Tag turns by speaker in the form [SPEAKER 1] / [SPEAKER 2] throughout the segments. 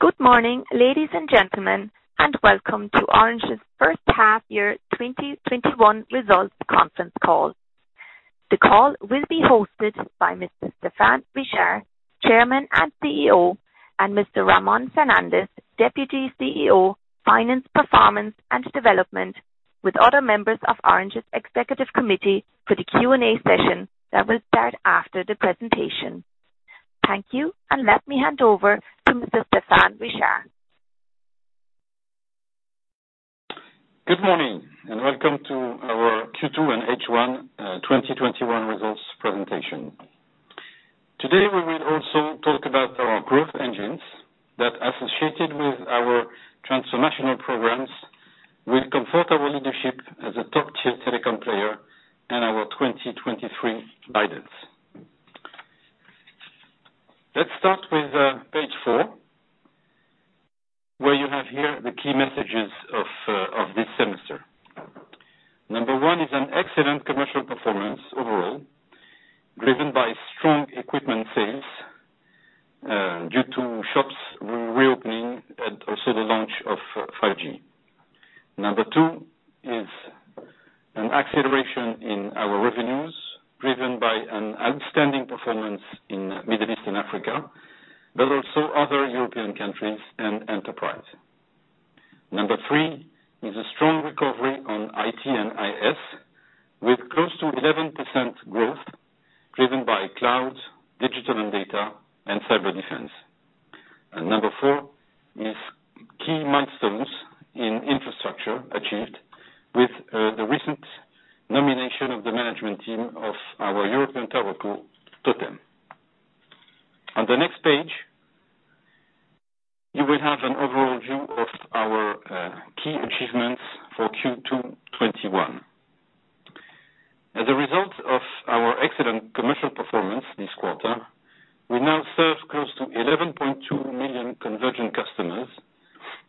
[SPEAKER 1] Good morning, ladies and gentlemen, and welcome to Orange's first half year 2021 results conference call. The call will be hosted by Mr. Stéphane Richard, Chairman and CEO, and Mr. Ramon Fernandez, Deputy CEO, Finance, Performance and Development, with other members of Orange's executive committee for the Q&A session that will start after the presentation. Thank you, and let me hand over to Mr. Stéphane Richard.
[SPEAKER 2] Good morning, welcome to our Q2 and H1 2021 results presentation. Today, we will also talk about our growth engines that associated with our transformational programs will comfort our leadership as a top-tier telecom player in our 2023 guidance. Let's start with page four, where you have here the key messages of this semester. Number one is an excellent commercial performance overall, driven by strong equipment sales, due to shops reopening and also the launch of 5G. Number two is an acceleration in our revenues, driven by an outstanding performance in Middle East and Africa, but also other European countries and enterprise. Number three is a strong recovery on IT and IS, with close to 11% growth driven by cloud, digital and data, and cyber defense. Number four is key milestones in infrastructure achieved with the recent nomination of the management team of our European TowerCo TOTEM. On the next page, you will have an overall view of our key achievements for Q2 2021. As a result of our excellent commercial performance this quarter, we now serve close to 11.2 million convergent customers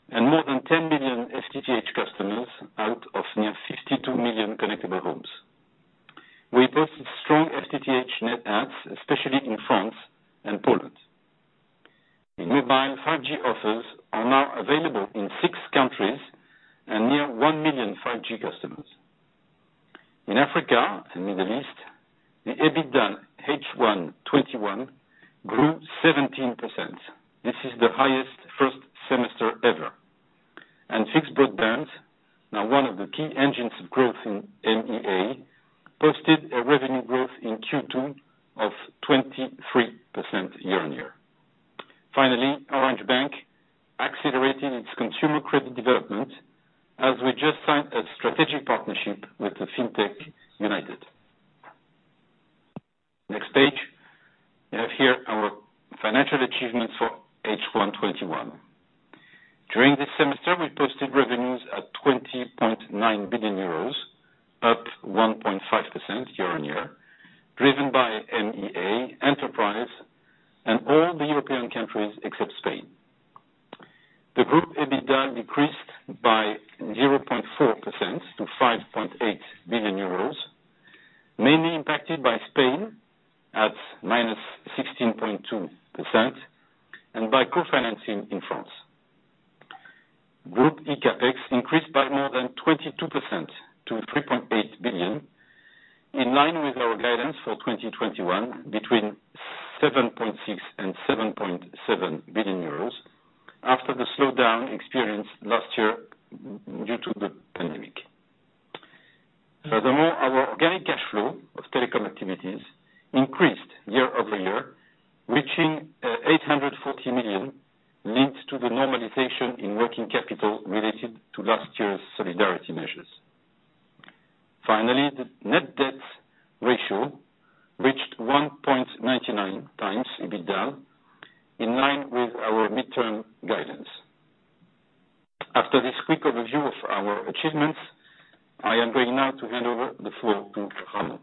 [SPEAKER 2] and more than 10 million FTTH customers out of near 52 million connectable homes. We posted strong FTTH net adds, especially in France and Poland. Mobile 5G offers are now available in six countries and near one million 5G customers. In Africa and Middle East, the EBITDA H1 2021 grew 17%. This is the highest first semester ever. Fixed broadbands, now one of the key engines of growth in MEA, posted a revenue growth in Q2 of 23% year-on-year. Finally, Orange Bank accelerating its consumer credit development as we just signed a strategic partnership with the fintech Younited. Next page, you have here our financial achievements for H1 2021. During this semester, we posted revenues at 20.9 billion euros, up 1.5% year-over-year, driven by MEA, Enterprise, and all the European countries except Spain. The group EBITDA decreased by 0.4% to 5.8 billion euros, mainly impacted by Spain at -16.2% and by co-financing in France. Group eCAPEX increased by more than 22% to 3.8 billion, in line with our guidance for 2021 between 7.6 and 7.7 billion euros after the slowdown experienced last year due to the pandemic. Furthermore, our organic cash flow of telecom activities increased year-over-year, reaching 840 million linked to the normalization in working capital related to last year's solidarity measures. Finally, the net debt ratio reached 1.99x EBITDA, in line with our midterm guidance. After this quick overview of our achievements, I am going now to hand over the floor to Ramon.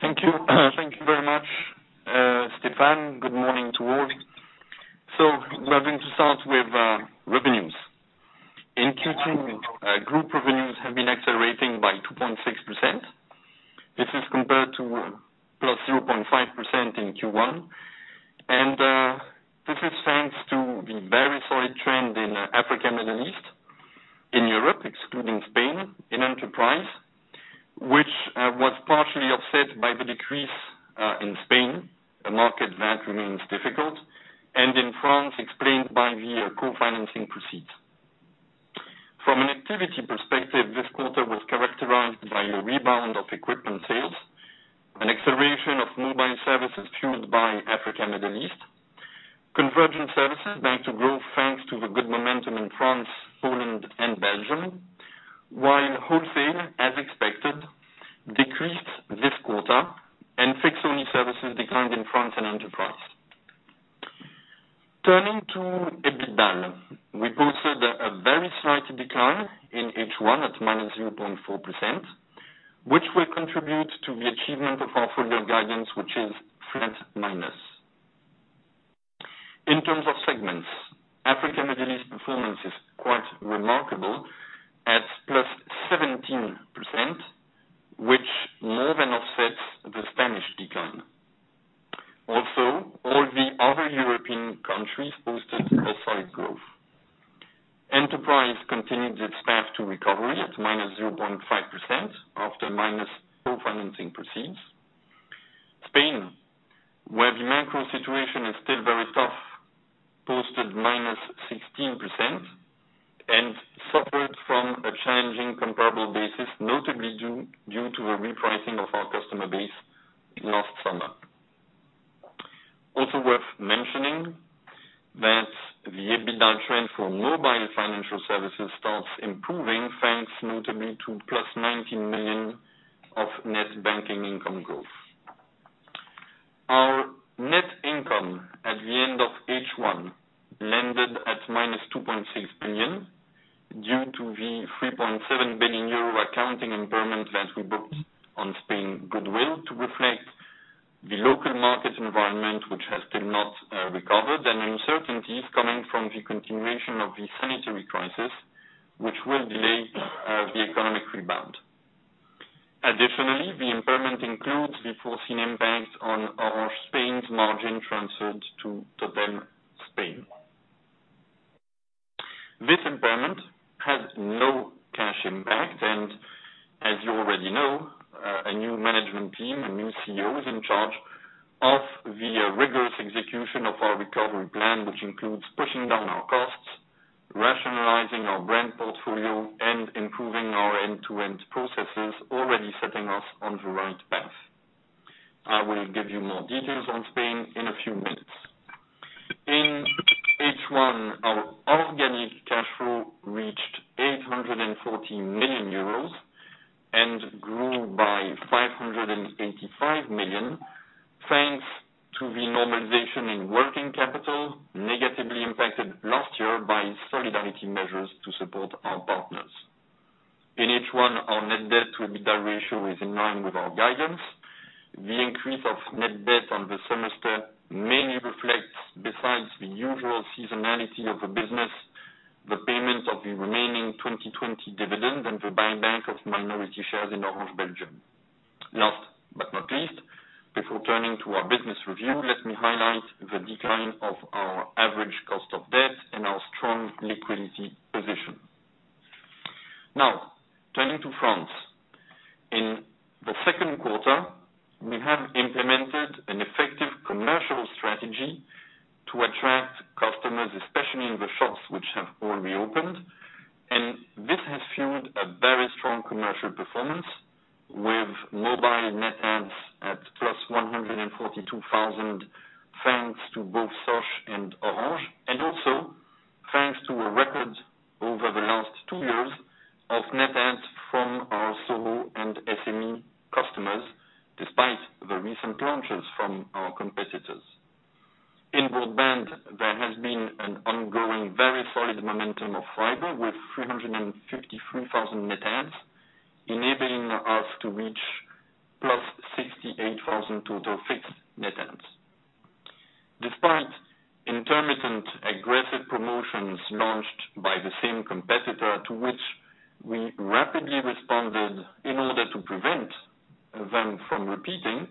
[SPEAKER 3] Thank you. Thank you very much, Stéphane. Good morning to all. We are going to start with revenues. In Q2, group revenues have been accelerating by 2.6%. This is compared to +0.5% in Q1. This is thanks to the very solid trend in Africa, Middle East, in Europe, excluding Spain, in Enterprise, which was partially offset by the decrease in Spain, a market that remains difficult, and in France explained by the co-financing proceeds. From an activity perspective, this quarter was characterized by a rebound of equipment sales, an acceleration of mobile services fueled by Africa, Middle East. Convergent services began to grow, thanks to the good momentum in France, Poland and Belgium. While wholesale, as expected, decreased this quarter, and fixed-only services declined in France and Enterprise. Turning to EBITDA. We posted a very slight decline in H1 at -0.4%, which will contribute to the achievement. At +17%, which more than offsets the Spanish decline. All the other European countries posted a solid growth. Enterprise continued its path to recovery at -0.5% after minusing co-financing proceeds. Spain, where the macro situation is still very tough, posted -16% and suffered from a challenging comparable basis, notably due to a repricing of our customer base last summer. Worth mentioning that the EBITDA trend for mobile financial services starts improving, thanks notably to +19 million of net banking income growth. Our net income at the end of Q1 landed at -2.6 billion, due to the 3.7 billion euro accounting impairment that we booked on Spain goodwill to reflect the local market environment, which has still not recovered, and uncertainties coming from the continuation of the sanitary crisis, which will delay the economic rebound. Additionally, the impairment includes the foreseen impact on Orange Spain's margin transferred to TOTEM Spain. This impairment has no cash impact. As you already know, a new management team, a new CEO is in charge of the rigorous execution of our recovery plan, which includes pushing down our costs, rationalizing our brand portfolio, and improving our end-to-end processes, already setting us on the right path. I will give you more details on Spain in a few minutes. In Q1, our organic cash flow reached 840 million euros and grew by 585 million, thanks to the normalization in working capital, negatively impacted last year by solidarity measures to support our partners. In Q1, our net debt to EBITDA ratio is in line with our guidance. The increase of net debt on the semester mainly reflects, besides the usual seasonality of the business, the payment of the remaining 2020 dividend and the buyback of minority shares in Orange Belgium. Last but not least, before turning to our business review, let me highlight the decline of our average cost of debt and our strong liquidity position. Turning to France. In the second quarter, we have implemented an effective commercial strategy to attract customers, especially in the shops which have all reopened. This has fueled a very strong commercial performance with mobile net adds at +142,000, thanks to both Sosh and Orange, and also thanks to a record over the last two years of net adds from our SOHO and SME customers, despite the recent launches from our competitors. In broadband, there has been an ongoing, very solid momentum of fiber with 353,000 net adds, enabling us to reach +68,000 total fixed net adds. Despite intermittent aggressive promotions launched by the same competitor to which we rapidly responded in order to prevent them from repeating,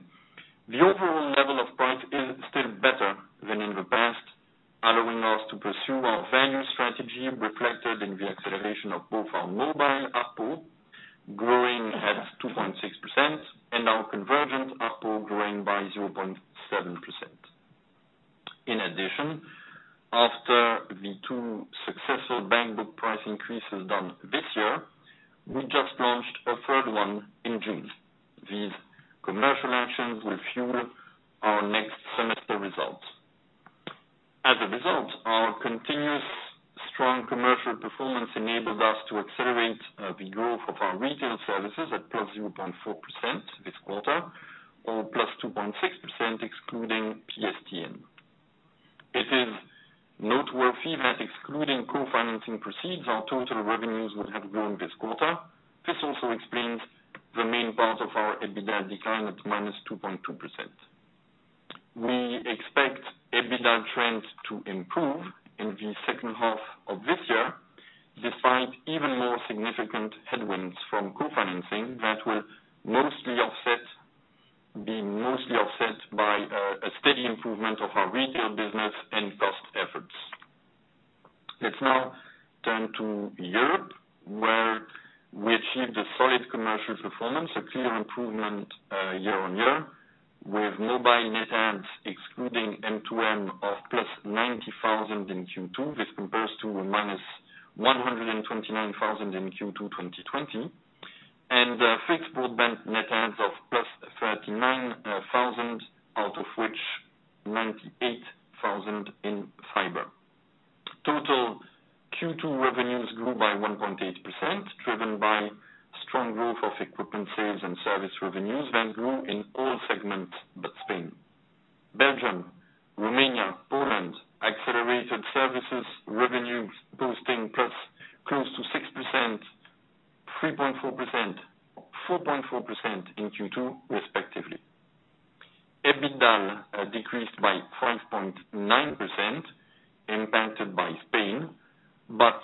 [SPEAKER 3] the overall level of price is still better than in the past, allowing us to pursue our value strategy reflected in the acceleration of both our mobile ARPU growing at 2.6% and our convergent ARPU growing by 0.7%. In addition, after the two successful back book price increases done this year, we just launched a third one in June. These commercial actions will fuel our next semester results. Our continuous strong commercial performance enabled us to accelerate the growth of our retail services at +0.4% this quarter or +2.6%, excluding PSTN. It is noteworthy that excluding co-financing proceeds, our total revenues would have grown this quarter. This also explains the main part of our EBITDA decline at -2.2%. We expect EBITDA trends to improve in the second half of this year, despite even more significant headwinds from co-financing that will be mostly offset by a steady improvement of our retail business and cost efforts. Let's now turn to Europe, where we achieved a solid commercial performance, a clear improvement year-over-year with mobile net adds excluding M2M of +90,000 in Q2. This compares to -129,000 in Q2 2020. Fixed broadband net adds of +39,000, out of which 98,000 in fiber. Total Q2 revenues grew by 1.8%, driven by strong growth of equipment sales and service revenues that grew in all segments but Spain. Belgium, Romania, Poland accelerated services revenues posting plus close to 6%, 3.4%, 4.4% in Q2, respectively. Decreased by 5.9%, impacted by Spain, but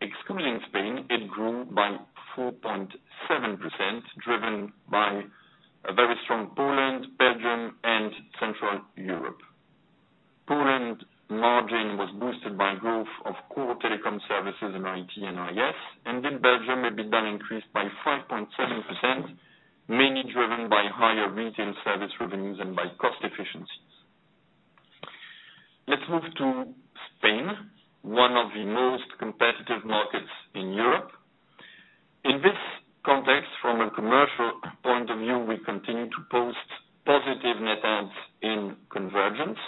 [SPEAKER 3] excluding Spain, it grew by 4.7%, driven by a very strong Poland, Belgium, and Central Europe. Poland margin was boosted by growth of core telecom services in IT and IS, and in Belgium, EBITDA increased by 5.7%, mainly driven by higher retail service revenues than by cost efficiencies. Let's move to Spain, one of the most competitive markets in Europe. In this context, from a commercial point of view, we continue to post positive net adds in convergence,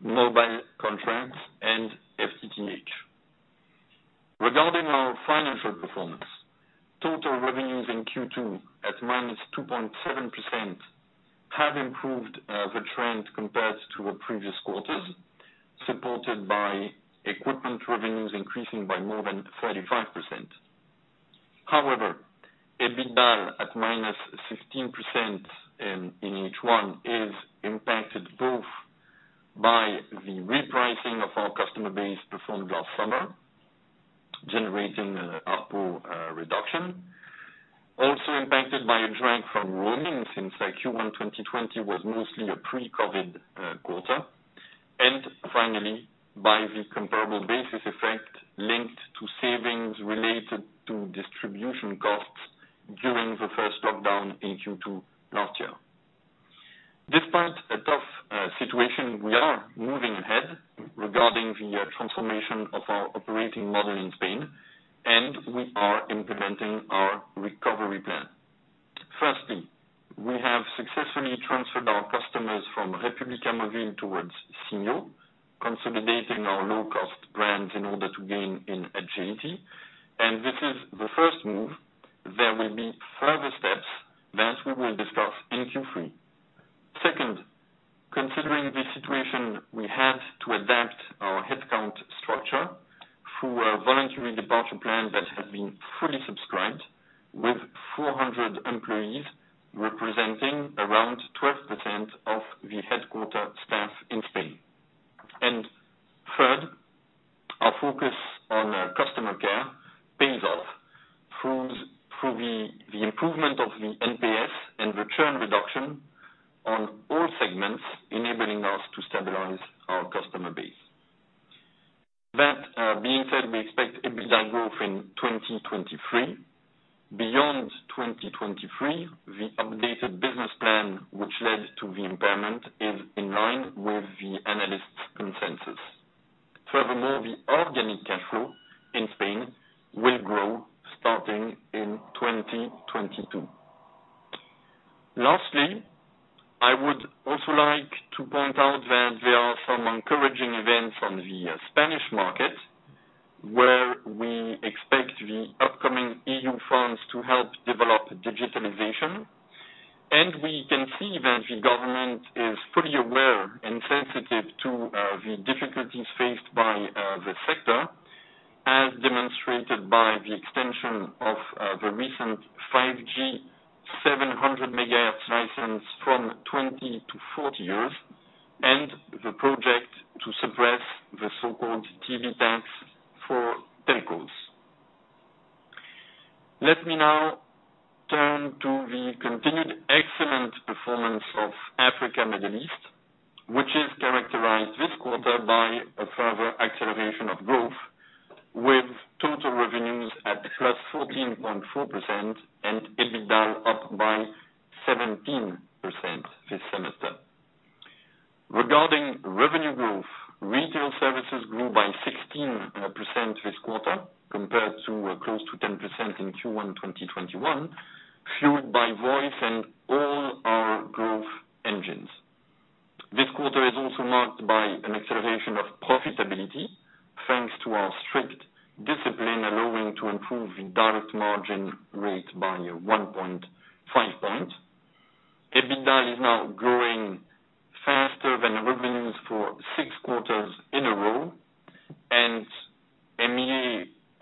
[SPEAKER 3] mobile contracts, and FTTH. Regarding our financial performance, total revenues in Q2 at -2.7% have improved the trend compared to the previous quarters, supported by equipment revenues increasing by more than 35%. EBITDA at -16% in H1 is impacted both by the repricing of our customer base performed last summer, generating ARPU reduction. Also impacted by a drag from roaming since Q1 2020 was mostly a pre-COVID quarter, and finally, by the comparable basis effect linked to savings related to distribution costs during the first lockdown in Q2 last year. Despite a tough situation, we are moving ahead regarding the transformation of our operating model in Spain,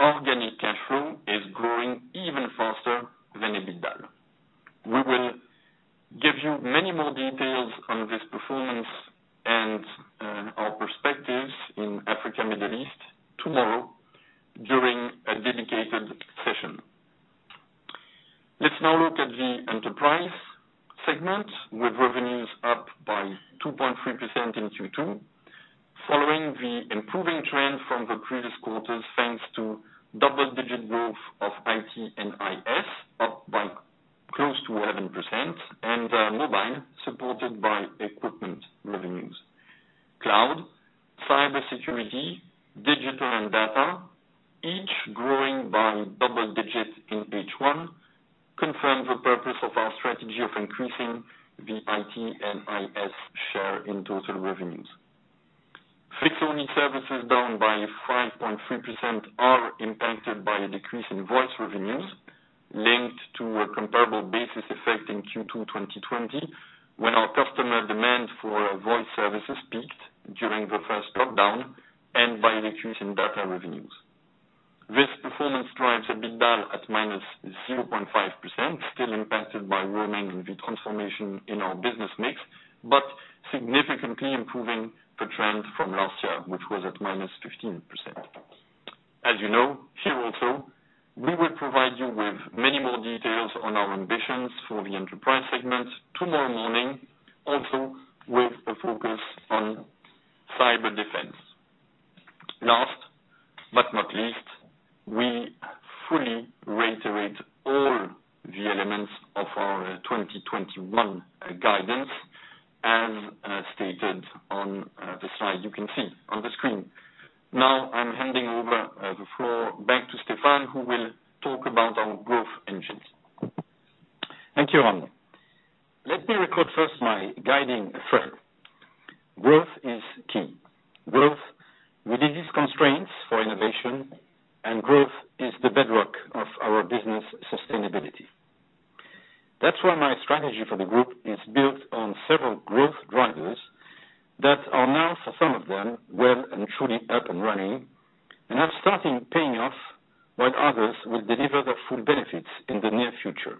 [SPEAKER 3] organic cash flow is growing even faster than EBITDA. We will give you many more details on this performance and our perspectives in Africa Middle East tomorrow during a dedicated session. Let's now look at the enterprise segment, with revenues up by 2.3% in Q2, following the improving trend from the previous quarters, thanks to double-digit growth of IT and IS up by close to 11% and mobile supported by equipment revenues. Cloud, cybersecurity, digital and data, each growing by double digits in H1, confirm the purpose of our strategy of increasing the IT and IS share in total revenues. Fixed-only services down by 5.3% are impacted by a decrease in voice revenues linked to a comparable basis effect in Q2 2020 when our customer demand for voice services peaked during the first lockdown and by a decrease in data revenues. Still impacted by roaming and the transformation in our business mix, but significantly improving the trend from last year, which was at minus 15%. As you know, here also, we will provide you with many more details on our ambitions for the enterprise segment tomorrow morning, also with a focus on cyber defense. Last but not least, we fully reiterate all the elements of our 2021 guidance as stated on the slide you can see on the screen. Now, I'm handing over the floor back to Stéphane Richard, who will talk about our growth engines.
[SPEAKER 2] Thank you, Ramon Fernandez. Let me record first my guiding thread. Growth is key. Growth reduces constraints for innovation, and growth is the bedrock of our business sustainability. That's why my strategy for the group is built on several growth drivers that are now, for some of them, well and truly up and running and are starting paying off, while others will deliver their full benefits in the near future.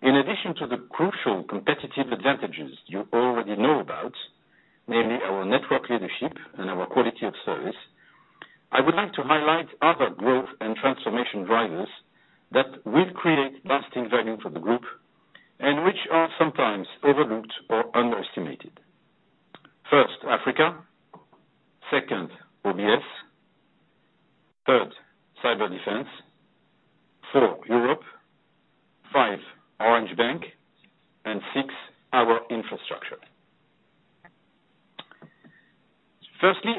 [SPEAKER 2] In addition to the crucial competitive advantages you already know about, namely our network leadership and our quality of service, I would like to highlight other growth and transformation drivers that will create lasting value for the group and which are sometimes overlooked or underestimated. First, Africa. Second, OBS. Third, Cyberdefense. Four, Europe. Five, Orange Bank and six our infrastructure.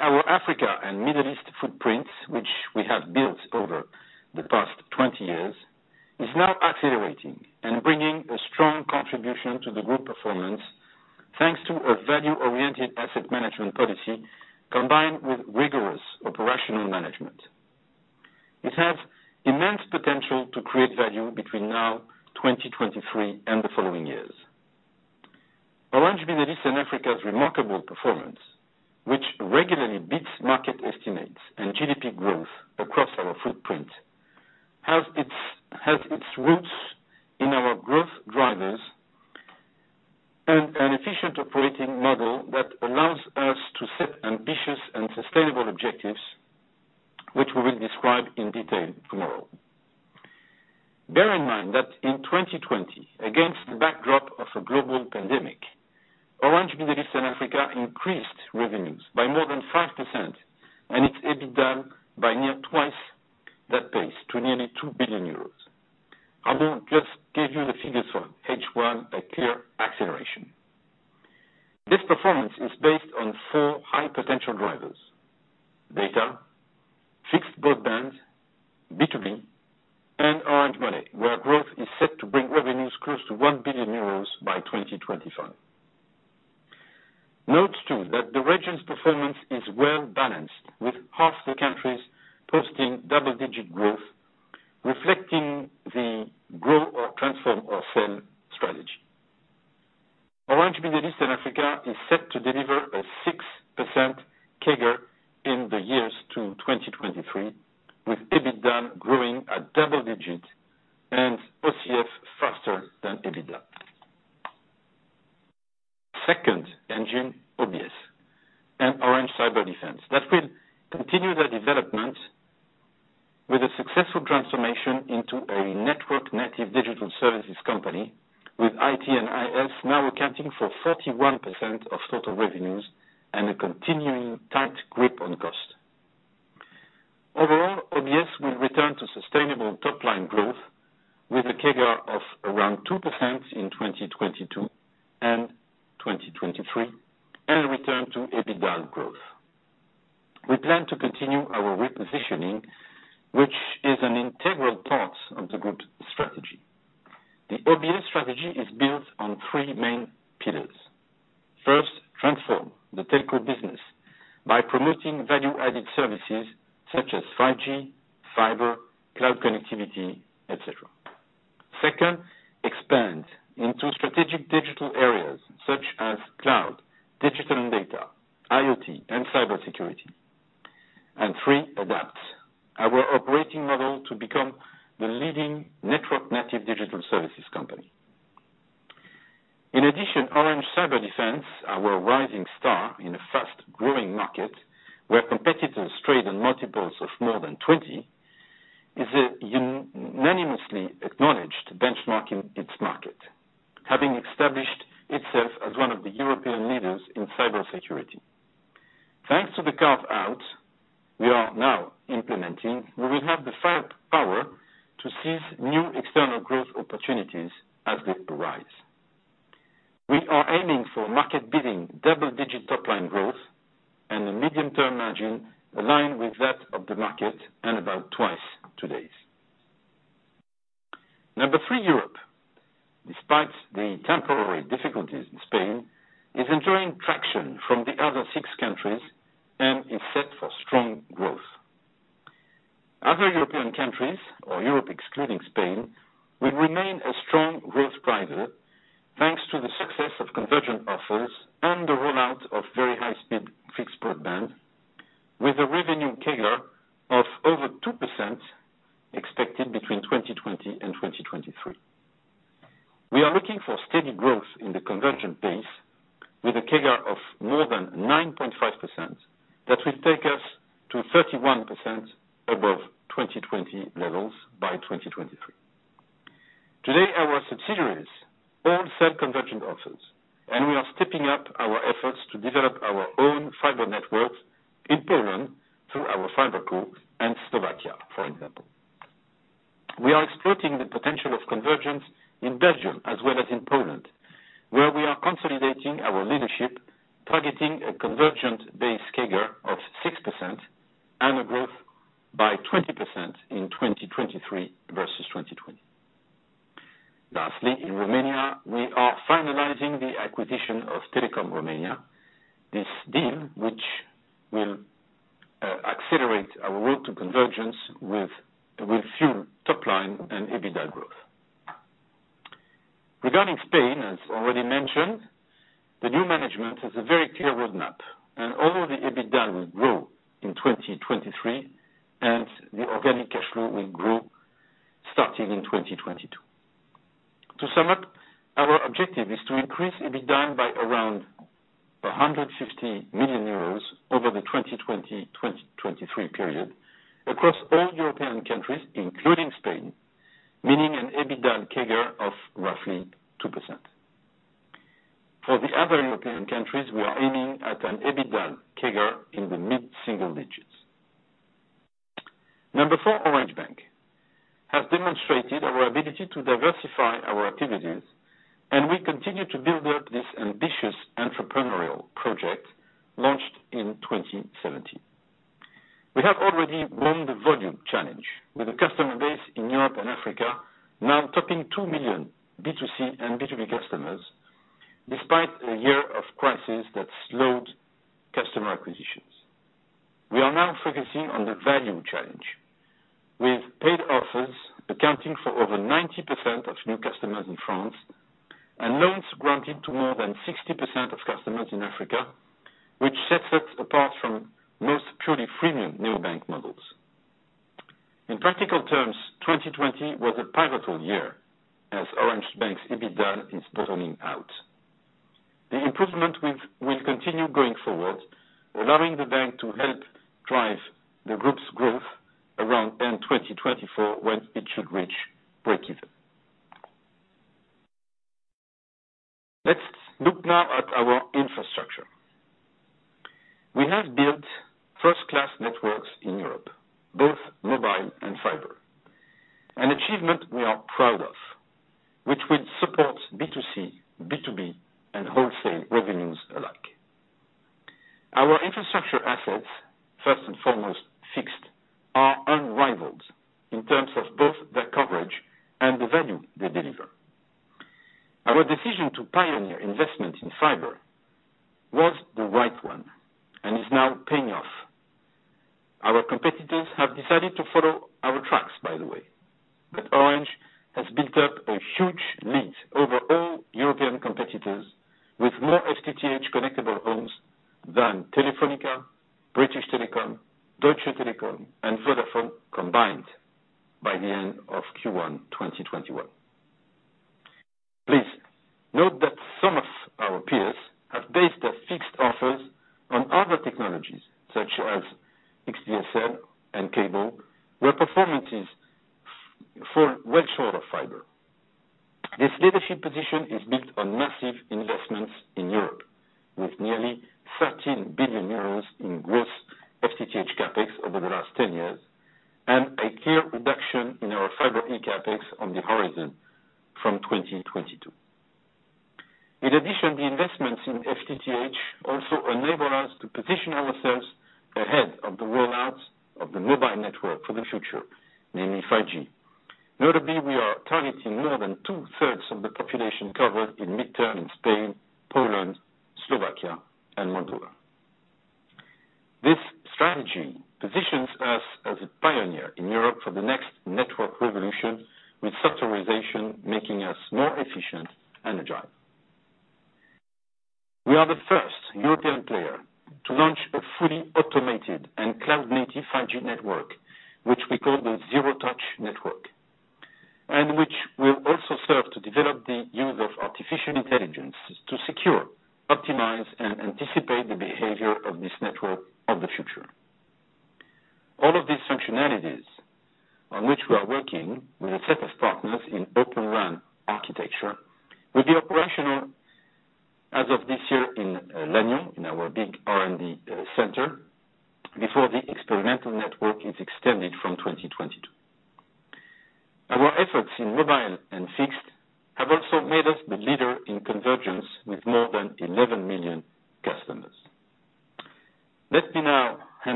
[SPEAKER 2] Our Africa and Middle East footprints, which we have built over the past 20 years, is now accelerating and bringing a strong contribution to the group performance, thanks to a value-oriented asset management policy, combined with rigorous operational management. It has immense potential to create value between now, 2023, and the following years. Orange Middle East and Africa's remarkable performance, which regularly beats market estimates and GDP growth across our footprint, has its roots in our growth drivers and an efficient operating model that allows us to set ambitious and sustainable objectives, which we will describe in detail tomorrow. Bear in mind that in 2020, against the backdrop of a global pandemic, Orange Middle East and Africa increased revenues by more than 5%, and its EBITDA by near twice that pace to nearly 2 billion euros. Ramon Fernandez just gave you the figures for H1, a clear acceleration. This performance is based on four high-potential drivers: data, fixed broadband, B2B, and Orange Money, where growth is set to bring revenues close to 1 billion euros by 2025. Note, too, that the region's performance is well-balanced, with half the countries posting double-digit growth, reflecting the grow or transform or sell strategy. Orange Middle East and Africa is set to deliver a 6% CAGR in the years to 2023, with EBITDA growing at double digits and OCF faster than EBITDA. Second engine, OBS and Orange Cyberdefense. That will continue the development with a successful transformation into a network-native digital services company with IT and IS now accounting for 41% of total revenues and a continuing tight grip on cost. Overall, OBS will return to sustainable top-line growth with a CAGR of around 2% in 2022 and 2023, and a return to EBITDA growth. We plan to continue our repositioning, Lastly, in Romania, we are finalizing the acquisition of Telekom Romania. This deal which will accelerate our road to convergence will fuel top line and EBITDA growth. Regarding Spain, as already mentioned, the new management has a very clear roadmap, and although the EBITDA will grow in 2023 and the organic cash flow will grow starting in 2022. To sum up, our objective is to increase EBITDA by around 150 million euros over the 2020-2023 period across all European countries, including Spain, meaning an EBITDA CAGR of roughly 2%. For the other European countries, we are aiming at an EBITDA CAGR in the mid-single digits. Number four, Orange Bank has demonstrated our ability to diversify our activities. We continue to build up this ambitious entrepreneurial project launched in 2017. We have already won the volume challenge with a customer base in Europe and Africa now topping two million B2C and B2B customers, despite a year of crisis that slowed customer acquisitions. We are now focusing on the value challenge with paid offers accounting for over 90% of new customers in France and loans granted to more than 60% of customers in Africa, which sets us apart from most purely freemium neobank models. In practical terms, 2020 was a pivotal year as Orange Bank's EBITDA is bottoming out. The improvement will continue going forward, allowing the bank to help drive the group's growth around end 2024, when it should reach breakeven. Let's look now at our infrastructure. We have built first-class networks in Europe, both mobile and fiber. An achievement we are proud of, which will support B2C, B2B, and wholesale revenues alike. Our infrastructure assets, first and foremost, fixed, are unrivaled in terms of both their coverage and the value they deliver. Our decision to pioneer investment in fiber was the right one and is now paying off. Our competitors have decided to follow our tracks, by the way. Orange has built up a huge lead over all European competitors with more FTTH connectable homes than Telefónica, British Telecom, Deutsche Telekom, and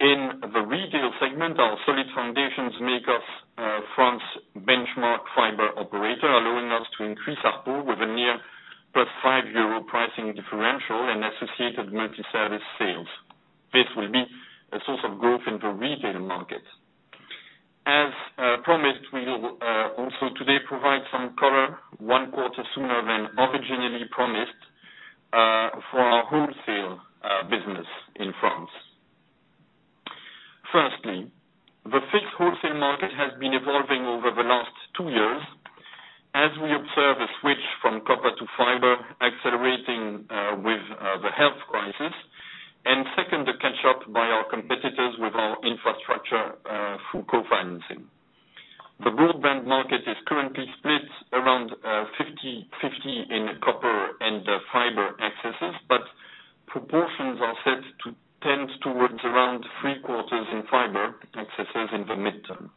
[SPEAKER 3] In the retail segment, our solid foundations make us France benchmark fiber operator, allowing us to increase ARPU with a near +5 euro pricing differential and associated multi-service sales. This will be a source of growth in the retail market. As promised, we will also today provide some color one quarter sooner than originally promised, for our wholesale business in France. Firstly, the fixed wholesale market has been evolving over the last two years as we observe a switch from copper to fiber accelerating with the health crisis. Second, the catch-up by our competitors with our infrastructure through co-financing. The broadband market is currently split around 50/50 in copper and fiber accesses. Proportions are set to tend towards around three-quarters in fiber accesses in the midterm.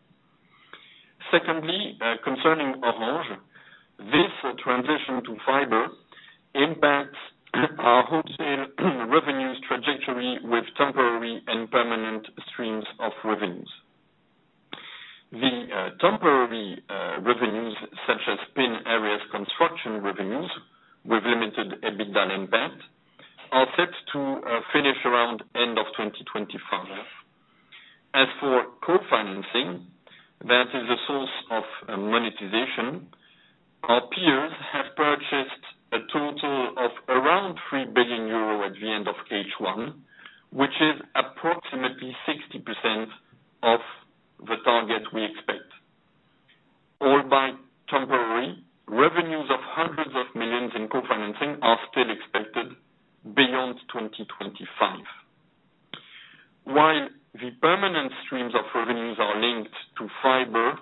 [SPEAKER 3] Secondly, concerning Orange, this transition to fiber impacts our wholesale revenues trajectory with temporary and permanent streams of revenues. The temporary revenues, such as PIN areas construction revenues with limited EBITDA impact, are set to finish around end of 2025. As for co-financing, that is a source of monetization. Our peers have purchased a total of around 3 billion euro at the end of Q1, which is approximately 60% of the target we expect. All by temporary revenues of hundreds of millions in co-financing are still expected beyond 2025. While the permanent streams of revenues are linked to fiber,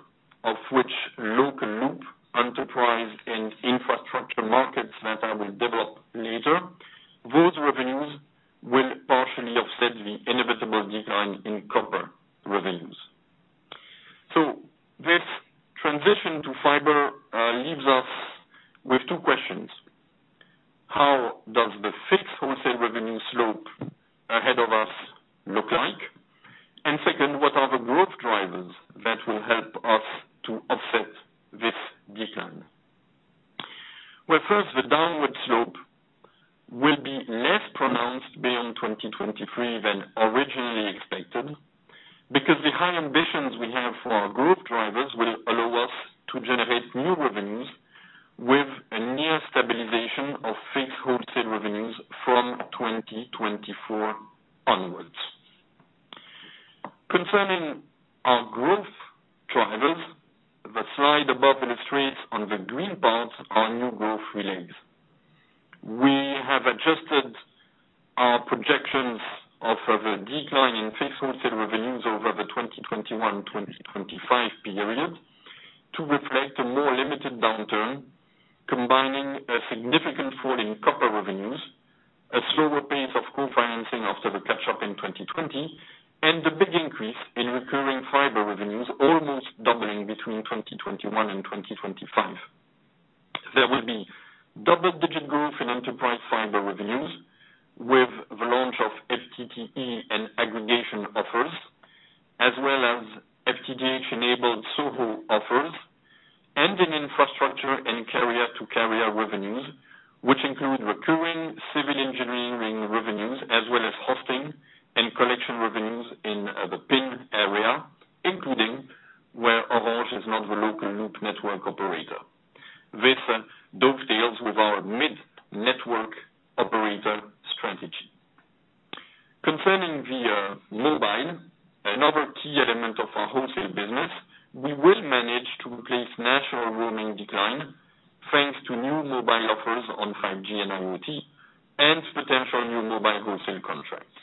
[SPEAKER 3] of which local loop enterprise and infrastructure markets that I will develop later, those revenues will partially offset the inevitable decline in copper revenues. This transition to fiber leaves us with two questions. How does the fixed wholesale revenue slope ahead of us look like? Second, what are the growth drivers that will help us to offset this decline? First, the downward slope will be less pronounced beyond 2023 than originally expected, because the high ambitions we have for our growth drivers will allow us to generate new revenues with a near stabilization of fixed wholesale revenues from 2024 onwards. Concerning our growth drivers, the slide above illustrates on the green parts our new growth relays. We have adjusted our projections of the decline in fixed wholesale revenues over the 2021-2025 period to reflect a more limited downturn, combining a significant fall in copper revenues, a slower pace of co-financing after the catch-up in 2020, and a big increase in recurring fiber revenues, almost doubling between 2021 and 2025. There will be double-digit growth in enterprise fiber revenues with the launch of FTTE and aggregation offers, as well as FTTH-enabled SOHO offers and in infrastructure and carrier-to-carrier revenues, which include recurring civil engineering revenues as well as hosting and collection revenues in the PIN area, including where Orange is not the local loop network operator. This dovetails with our mid-network operator strategy. Concerning the mobile, another key element of our wholesale business, we will manage to replace natural roaming decline thanks to new mobile offers on 5G and IoT and potential new mobile wholesale contracts.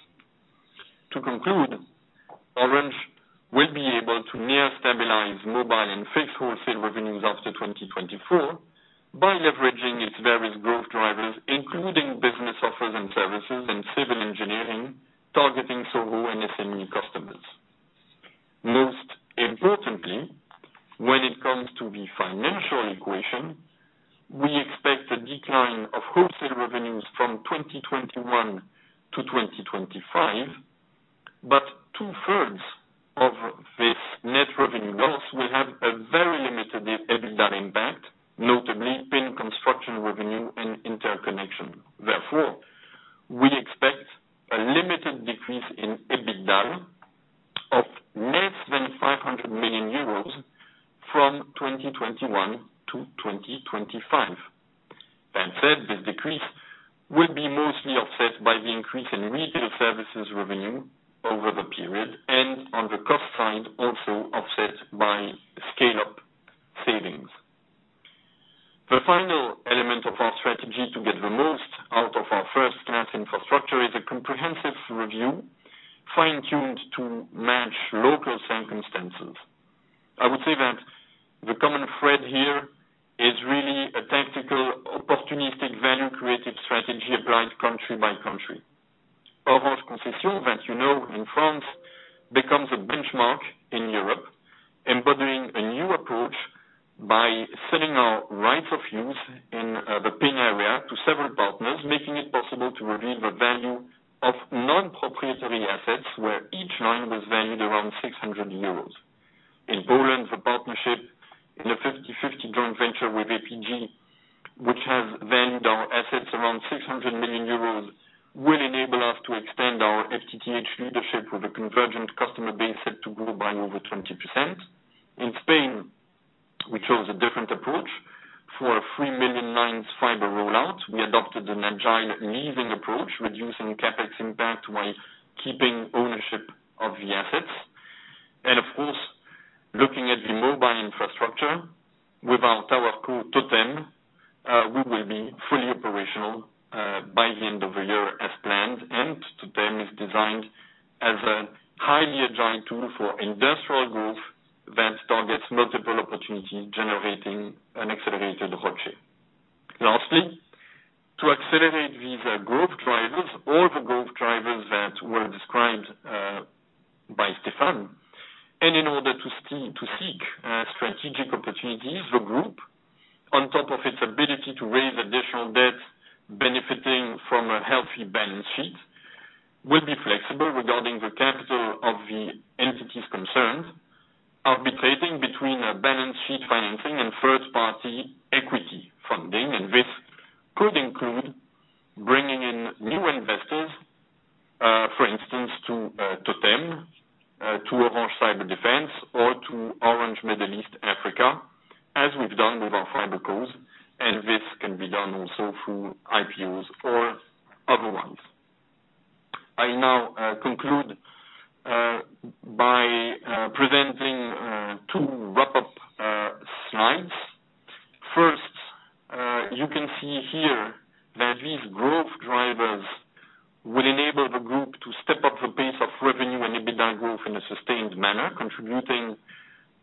[SPEAKER 3] To conclude, Orange will be able to near stabilize mobile and fixed wholesale revenues after 2024 by leveraging its various growth drivers, including business offers and services and civil engineering targeting SOHO and SME customers. Most importantly, when it comes to the financial equation, we expect a decline of wholesale revenues from 2021 to 2025, but two-thirds of this net revenue loss will have a very limited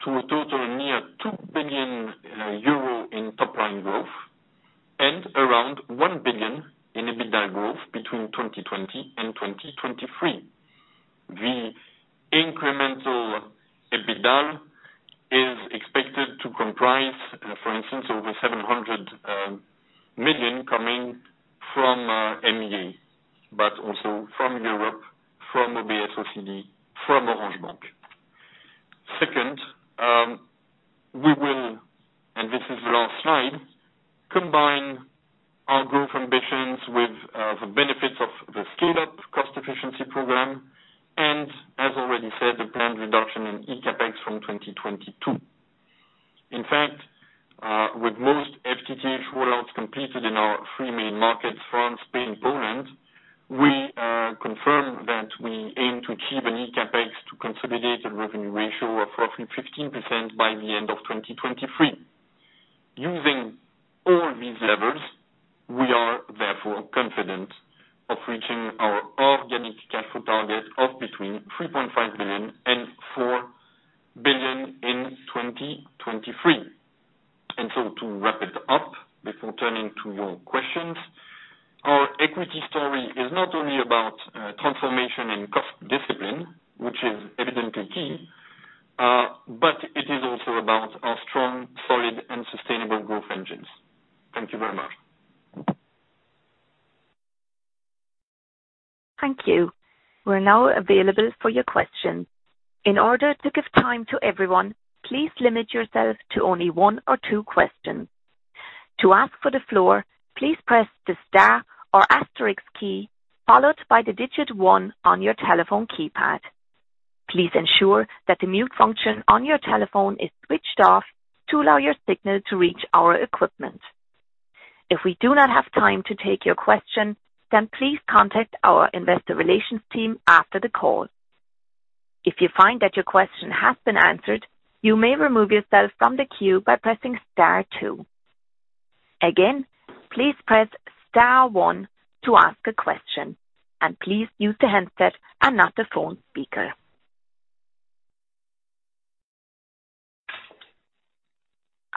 [SPEAKER 3] to a total near 2 billion euro in top-line growth and around 1 billion in EBITDA growth between 2020 and 2023. The incremental EBITDA is expected to comprise, for instance, over 700 million coming from MEA, but also from Europe, from OBS, OCD, from Orange Bank. Second, we will, and this is the last slide, combine our growth ambitions with the benefits of the scaled-up cost efficiency program and, as already said, the planned reduction in eCAPEX from 2022. In fact, with most FTTH rollouts completed in our three main markets, France, Spain, Poland, we confirm that we aim to achieve an eCAPEX to consolidated revenue ratio of roughly 15% by the end of 2023. Using all these levers, we are therefore confident of reaching our organic cash flow target of between 3.5 billion and 4 billion in 2023. To wrap it up, before turning to your questions, our equity story is not only about transformation and cost discipline, which is evidently key, but it is also about our strong, solid, and sustainable growth engines. Thank you very much.
[SPEAKER 1] Thank you. We're now available for your questions. In order to give time to everyone, please limit yourself to only one or two questions. To ask for the floor, please press the star or asterisk key followed by the digit one on your telephone keypad. Please ensure that the mute function on your telephone is switched off to allow your signal to reach our equipment. If we do not have time to take your question, please contact our investor relations team after the call. If you find that your question has been answered, you may remove yourself from the queue by pressing star two. Again, please press star one to ask a question, please use the handset and not the phone speaker.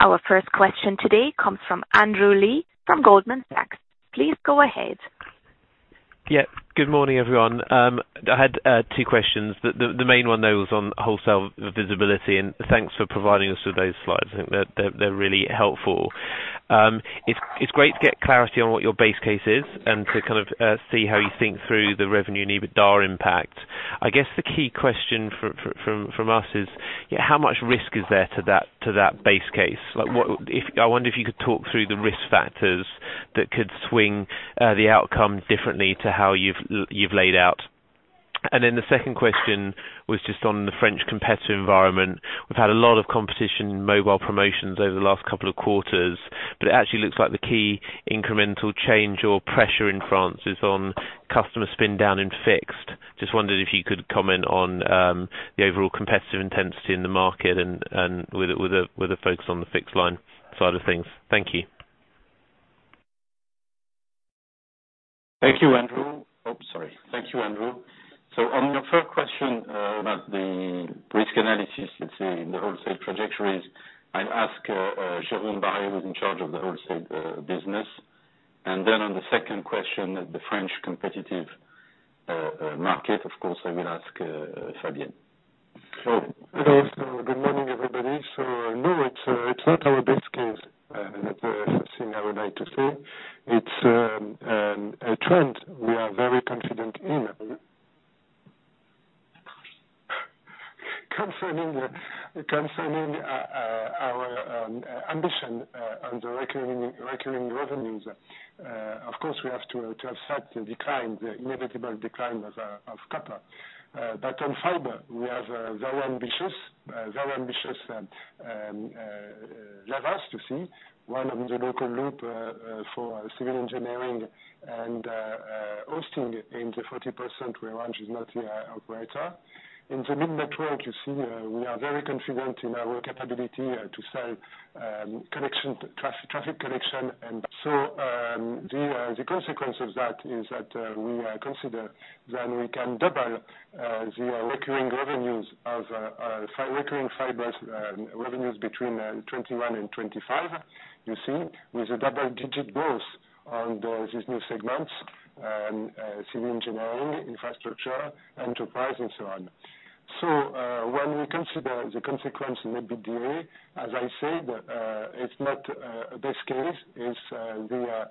[SPEAKER 1] Our first question today comes from Andrew Lee from Goldman Sachs. Please go ahead.
[SPEAKER 4] Good morning, everyone. I had two questions. The main one, though, is on wholesale visibility, and thanks for providing us with those slides. I think that they're really helpful. It's great to get clarity on what your base case is and to kind of see how you think through the revenue and EBITDA impact. I guess the key question from us is how much risk is there to that base case? I wonder if you could talk through the risk factors that could swing the outcome differently to how you've laid out. The second question was just on the French competitive environment. We've had a lot of competition in mobile promotions over the last couple of quarters, but it actually looks like the key incremental change or pressure in France is on customer spin-down and fixed. Just wondered if you could comment on the overall competitive intensity in the market and with a focus on the fixed line side of things? Thank you.
[SPEAKER 2] Thank you, Andrew. On your first question about the risk analysis, let's say the wholesale trajectories, I'll ask Jérôme Barré who's in charge of the wholesale business. Then on the second question, the French competitive market, of course, I will ask Fabienne.
[SPEAKER 5] Hello. Good morning, everybody. No, it's not our best case. That's the first thing I would like to say. It's a trend we are very confident in. Concerning our ambition on the recurring revenues, of course, we have to offset the inevitable decline of copper. On fiber, we have a very ambitious levers to see, one of the local loop for civil engineering and hosting in the 40% where Orange is not the operator. In the mid network, you see we are very confident in our capability to sell traffic connection. The consequence of that is that we consider that we can double the recurring revenues of recurring fibers revenues between 2021 and 2025, you see. With double-digit growth on these new segments, civil engineering, infrastructure, enterprise, and so on. When we consider the consequence in EBITDA, as I said, it is not best case. We are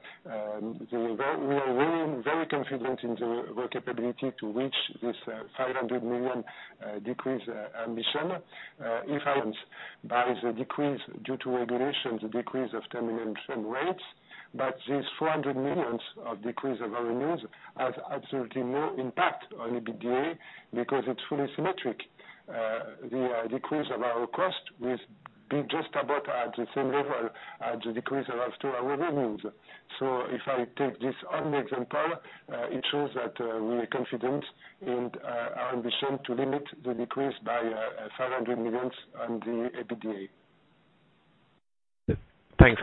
[SPEAKER 5] very confident in the capability to reach this 500 million decrease ambition, if I want, by the decrease due to regulation, the decrease of termination rates. This 400 million of decrease of revenues has absolutely no impact on EBITDA because it is fully symmetric. The decrease of our cost will be just about at the same level as the decrease of our revenues. If I take this only example, it shows that we are confident in our ambition to limit the decrease by 400 million on the EBITDA.
[SPEAKER 4] Thanks.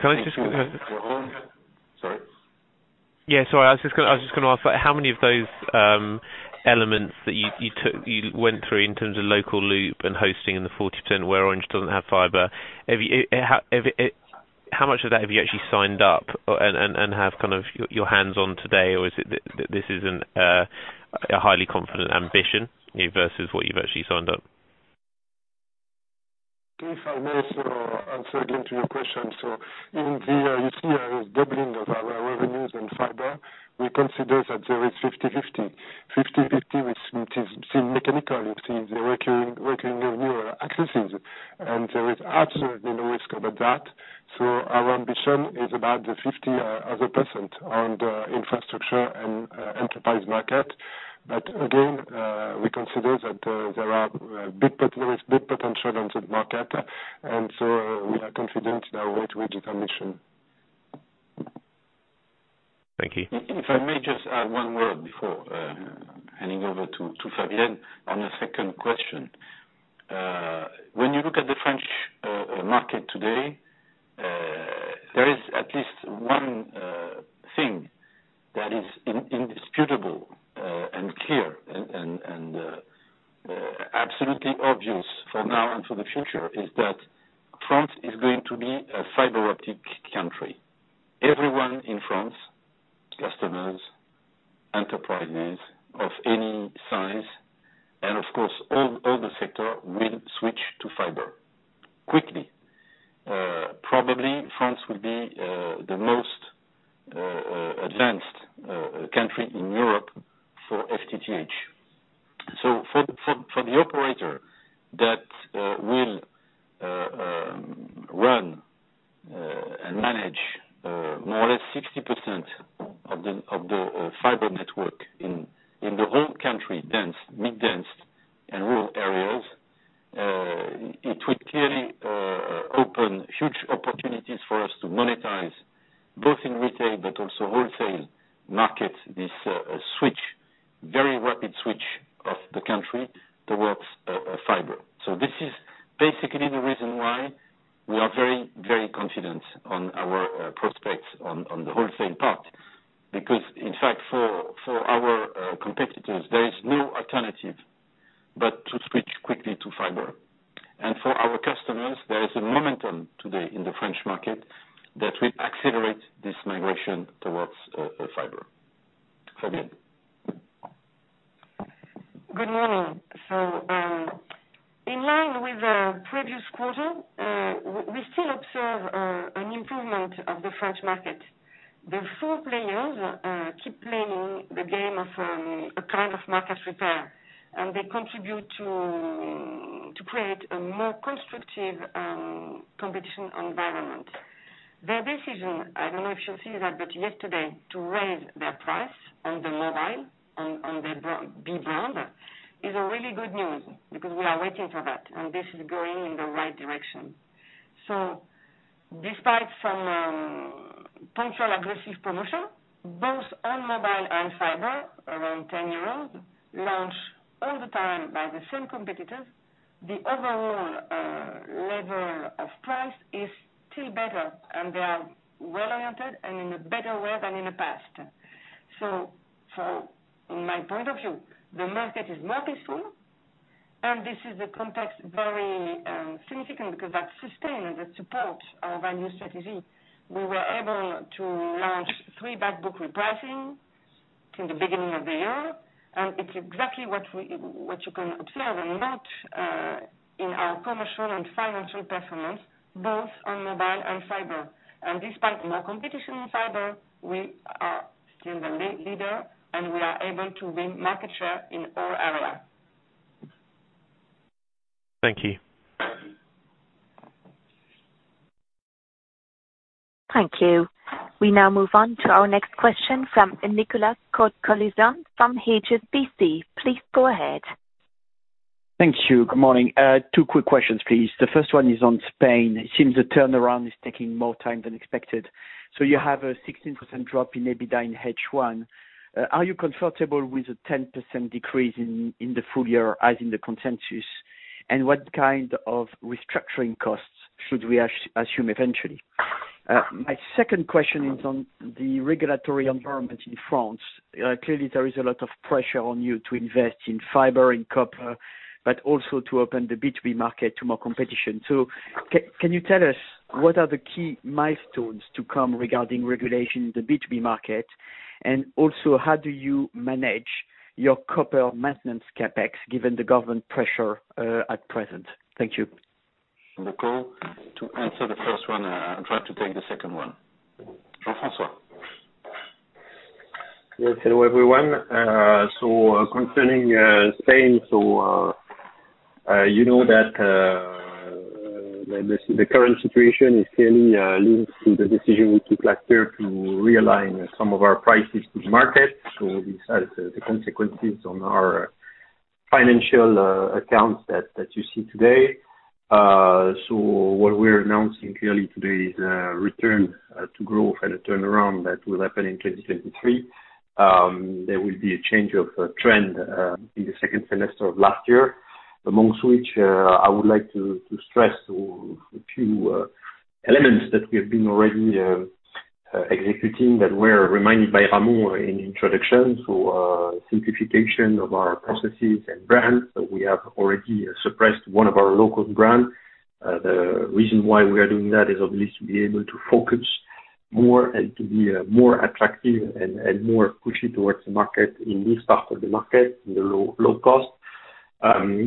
[SPEAKER 2] Sorry.
[SPEAKER 4] Sorry. I was just going to ask, how many of those elements that you went through in terms of local loop and hosting in the 40% where Orange doesn't have fiber, how much of that have you actually signed up and have your hands on today? Or is it that this is a highly confident ambition versus what you've actually signed up?
[SPEAKER 5] If I may answer again to your question. In the year, you see a doubling of our revenues in fiber. We consider that there is 50/50. 50/50, which is still mechanical. You see the recurring revenue accesses, there is absolutely no risk about that. Our ambition is about the 50% on the infrastructure and enterprise market. Again, we consider that there is big potential on that market. We are confident in our way to reach our mission.
[SPEAKER 4] Thank you.
[SPEAKER 2] If I may just add one word before handing over to Fabienne on your second question. When you look at the French market today, there is at least one thing that is indisputable and clear and absolutely obvious for now and for the future, is that France is going to be a fiber optic country. Everyone in France, customers, enterprises of any size, and of course, all the sector will switch to fiber quickly. Probably France will be the most advanced country in Europe for FTTH. For the operator that will run and manage more or less 60% of the fiber network in the whole country, dense, mid dense, and rural areas, it would clearly open huge opportunities for us to monetize both in retail but also wholesale market, this switch, very rapid switch of the country towards fiber. This is basically the reason why we are very, very confident on our prospects on the wholesale part. Because in fact, for our competitors, there is no alternative but to switch quickly to fiber. For our customers, there is a momentum today in the French market that will accelerate this migration towards fiber. Fabienne.
[SPEAKER 6] Good morning. In line with the previous quarter, we still observe an improvement of the French market. The four players keep playing the game of a kind of market repair, and they contribute to create a more constructive competition environment. Their decision, I don't know if you see that, but yesterday, to raise their price on the mobile, on the B&You, is a really good news because we are waiting for that, and this is going in the right direction. Despite some punctual aggressive promotion, both on mobile and fiber, around 10 euros, launched. All the time by the same competitors. The overall level of price is still better, and they are well oriented and in a better way than in the past. In my point of view, the market is not peaceful, and this is a context very significant because that sustains and supports our value strategy. We were able to launch three back book repricing in the beginning of the year, and it's exactly what you can observe and note in our commercial and financial performance, both on mobile and fiber. Despite more competition in fiber, we are still the leader, and we are able to win market share in all areas.
[SPEAKER 4] Thank you.
[SPEAKER 1] Thank you. We now move on to our next question from Nicolas Cote-Colisson from HSBC. Please go ahead.
[SPEAKER 7] Thank you. Good morning. Two quick questions, please. The first one is on Spain. It seems the turnaround is taking more time than expected. You have a 16% drop in EBITDA in H1. Are you comfortable with a 10% decrease in the full year as in the consensus? What kind of restructuring costs should we assume eventually? My second question is on the regulatory environment in France. Clearly, there is a lot of pressure on you to invest in fiber and copper, but also to open the B2B market to more competition. Can you tell us what are the key milestones to come regarding regulation in the B2B market? How do you manage your copper maintenance CapEx given the government pressure at present? Thank you.
[SPEAKER 2] Nicolas, to answer the first one, I'll try to take the second one. Jean-François.
[SPEAKER 8] Yes. Hello, everyone. Concerning Spain, you know that the current situation is clearly linked to the decision we took last year to realign some of our prices to the market. These are the consequences on our financial accounts that you see today. What we're announcing clearly today is a return to growth and a turnaround that will happen in 2023. There will be a change of trend in the second semester of last year, amongst which I would like to stress to a few elements that we have been already executing that were reminded by Ramon in the introduction. Simplification of our processes and brands. We have already suppressed one of our local brands. The reason why we are doing that is obviously to be able to focus more and to be more attractive and more pushy towards the market in this part of the market, in the low cost.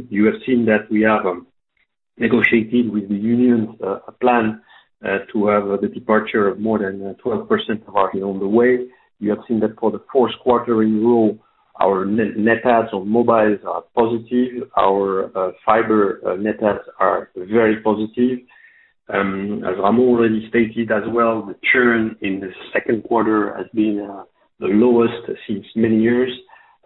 [SPEAKER 8] You have seen that we have negotiated with the unions a plan to have the departure of more than 12% of on the way. You have seen that for the fourth quarter in a row, our net adds on mobiles are positive. Our fiber net adds are very positive. As Ramon already stated as well, the churn in the second quarter has been the lowest since many years.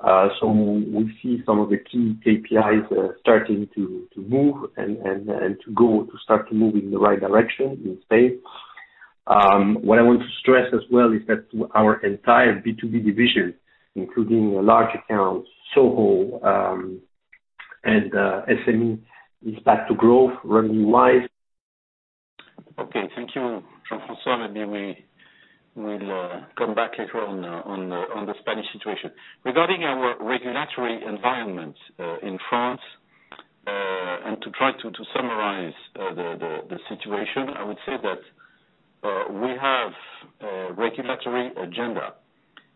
[SPEAKER 8] We see some of the key KPIs starting to move and to start to move in the right direction in Spain. What I want to stress as well is that our entire B2B division, including large accounts, SOHO, and SME, is back to growth revenue-wise.
[SPEAKER 2] Okay, thank you, Jean-François. Maybe we will come back later on the Spanish situation. Regarding our regulatory environment in France, and to try to summarize the situation, I would say that we have a regulatory agenda,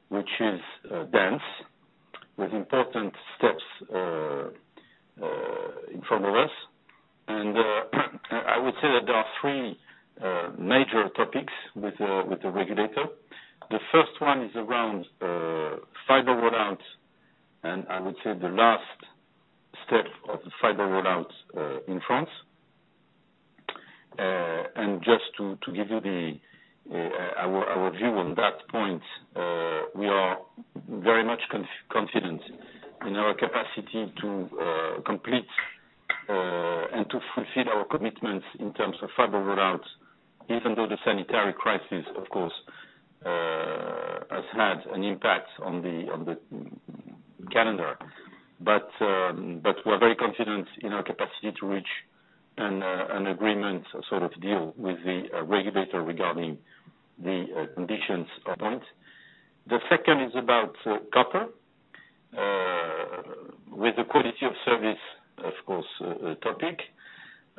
[SPEAKER 2] which is dense with important steps in front of us. I would say that there are three major topics with the regulator. The first one is around fiber roll-out, and I would say the last step of the fiber roll-out in France. Just to give you our view on that point, we are very much confident in our capacity to complete and to fulfill our commitments in terms of fiber roll-out, even though the sanitary crisis, of course, has had an impact on the calendar. We're very confident in our capacity to reach an agreement sort of deal with the regulator regarding the conditions upfront. The second is about copper with the quality of service, of course, a topic,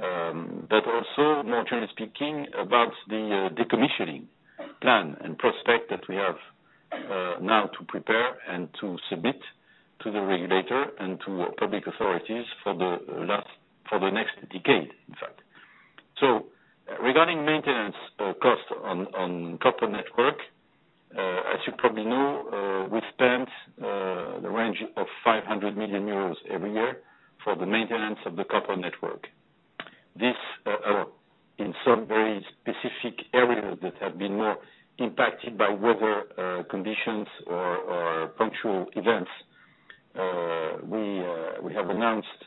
[SPEAKER 2] but also more generally speaking, about the decommissioning plan and prospect that we have now to prepare and to submit to the regulator and to public authorities for the next decade, in fact. Regarding maintenance cost on copper network, as you probably know, we spent the range of 500 million euros every year for the maintenance of the copper network. This in some very specific areas that have been more impacted by weather conditions or punctual events. We have announced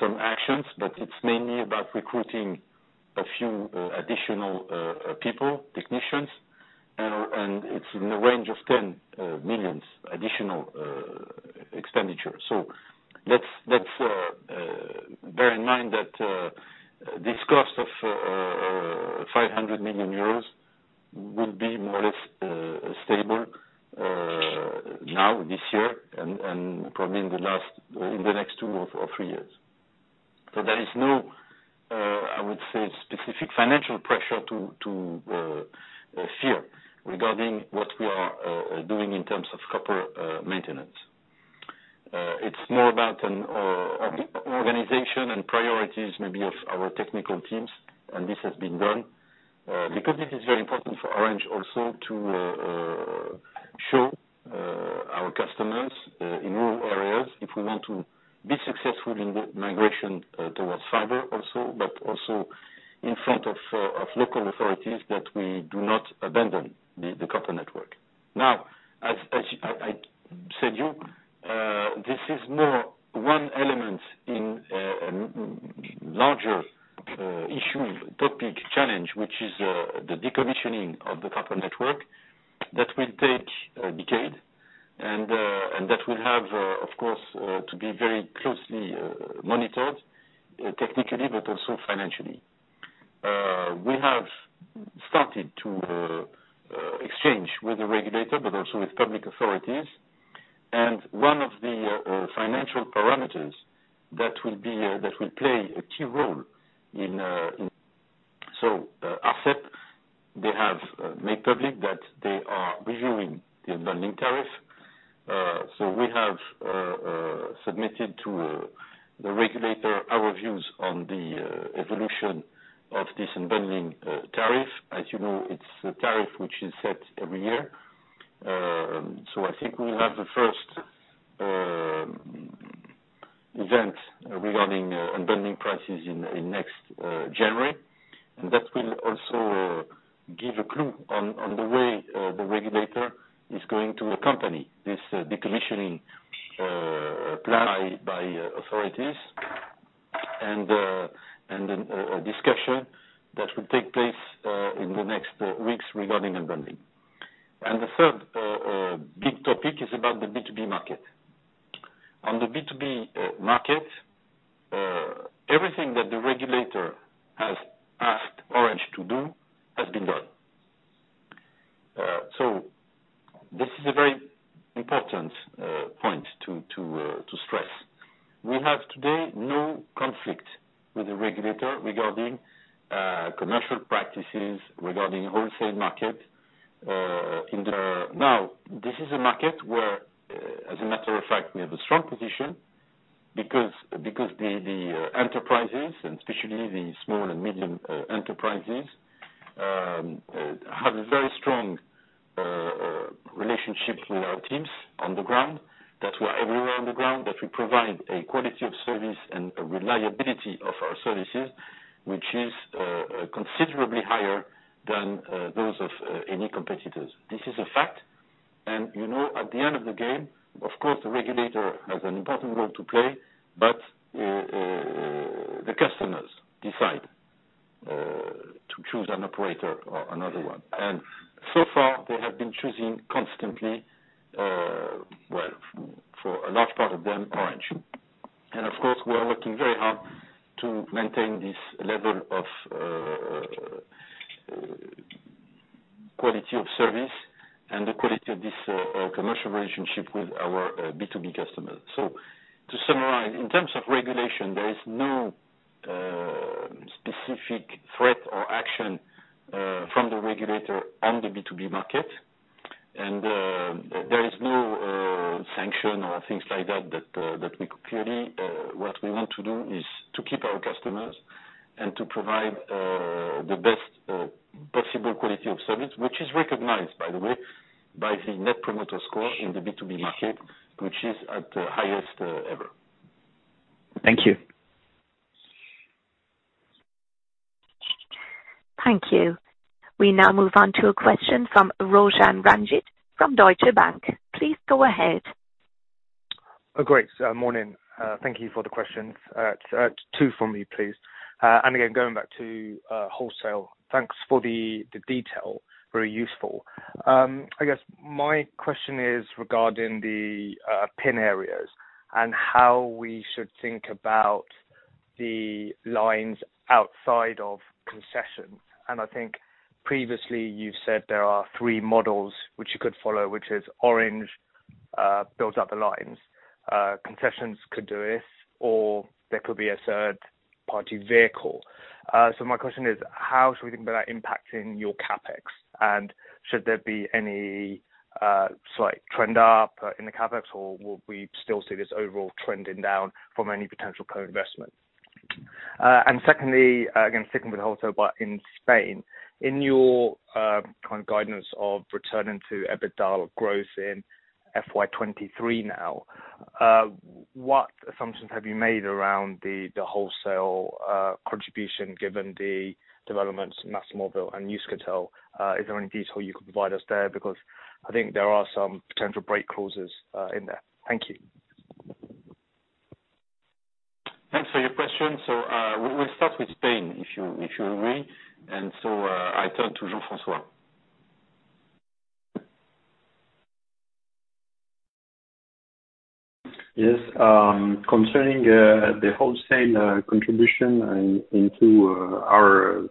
[SPEAKER 2] some actions, but it is mainly about recruiting a few additional people, technicians, and it is in the range of 10 million additional expenditure. Let's bear in mind that this cost of 500 million euros will be more or less stable now this year and probably in the next two or three years. There is no, I would say, specific financial pressure to fear regarding what we are doing in terms of copper maintenance. It is more about an organization and priorities maybe of our technical teams, and this has been done. It is very important for Orange also to show our customers in rural areas if we want to be successful in the migration towards fiber also, but also in front of local authorities that we do not abandon the copper network. As I said you, this is more one element in a larger issue, topic, challenge, which is the decommissioning of the copper network that will take a decade. That will have, of course, to be very closely monitored technically but also financially. We have started to exchange with the regulator, but also with public authorities. Arcep, they have made public that they are reviewing the unbundling tariff. We have submitted to the regulator our views on the evolution of this unbundling tariff. As you know, it's a tariff which is set every year. I think we'll have the first event regarding unbundling prices in next January. That will also give a clue on the way the regulator is going to accompany this decommissioning plan by authorities and a discussion that will take place in the next weeks regarding unbundling. The third big topic is about the B2B market. On the B2B market, everything that the regulator has asked Orange to do has been done. This is a very important point to stress. We have today no conflict with the regulator regarding commercial practices regarding wholesale market. This is a market where, as a matter of fact, we have a strong position because the enterprises, and especially the small and medium enterprises, have a very strong relationship with our teams on the ground, that we're everywhere on the ground, that we provide a quality of service and a reliability of our services, which is considerably higher than those of any competitors. This is a fact. You know at the end of the game, of course, the regulator has an important role to play, but the customers decide to choose an operator or another one. So far, they have been choosing constantly, well, for a large part of them, Orange. Of course, we are working very hard to maintain this level of quality of service and the quality of this commercial relationship with our B2B customers. To summarize, in terms of regulation, there is no specific threat or action from the regulator on the B2B market. There is no sanction or things like that. Clearly, what we want to do is to keep our customers and to provide the best possible quality of service, which is recognized, by the way, by the net promoter score in the B2B market, which is at highest ever.
[SPEAKER 7] Thank you.
[SPEAKER 1] Thank you. We now move on to a question from Roshan Ranjit from Deutsche Bank. Please go ahead.
[SPEAKER 9] Great morning. Thank you for the questions. Two from me, please. Again, going back to wholesale, thanks for the detail. Very useful. I guess my question is regarding the PIN areas and how we should think about the lines outside of Orange Concessions. I think previously you said there are three models which you could follow, which is Orange builds up the lines. Orange Concessions could do it, or there could be a third-party vehicle. My question is, how should we think about that impacting your CapEx? Should there be any slight trend up in the CapEx, or will we still see this overall trending down from any potential co-investment? Secondly, again, sticking with wholesale, but in Spain, in your kind of guidance of returning to EBITDA growth in FY 2023 now, what assumptions have you made around the wholesale contribution given the developments in MásMóvil and Euskaltel? Is there any detail you could provide us there? I think there are some potential break clauses in there. Thank you.
[SPEAKER 2] Thanks for your question. We'll start with Spain, if you agree. I turn to Jean-François.
[SPEAKER 8] Yes. Concerning the wholesale contribution into our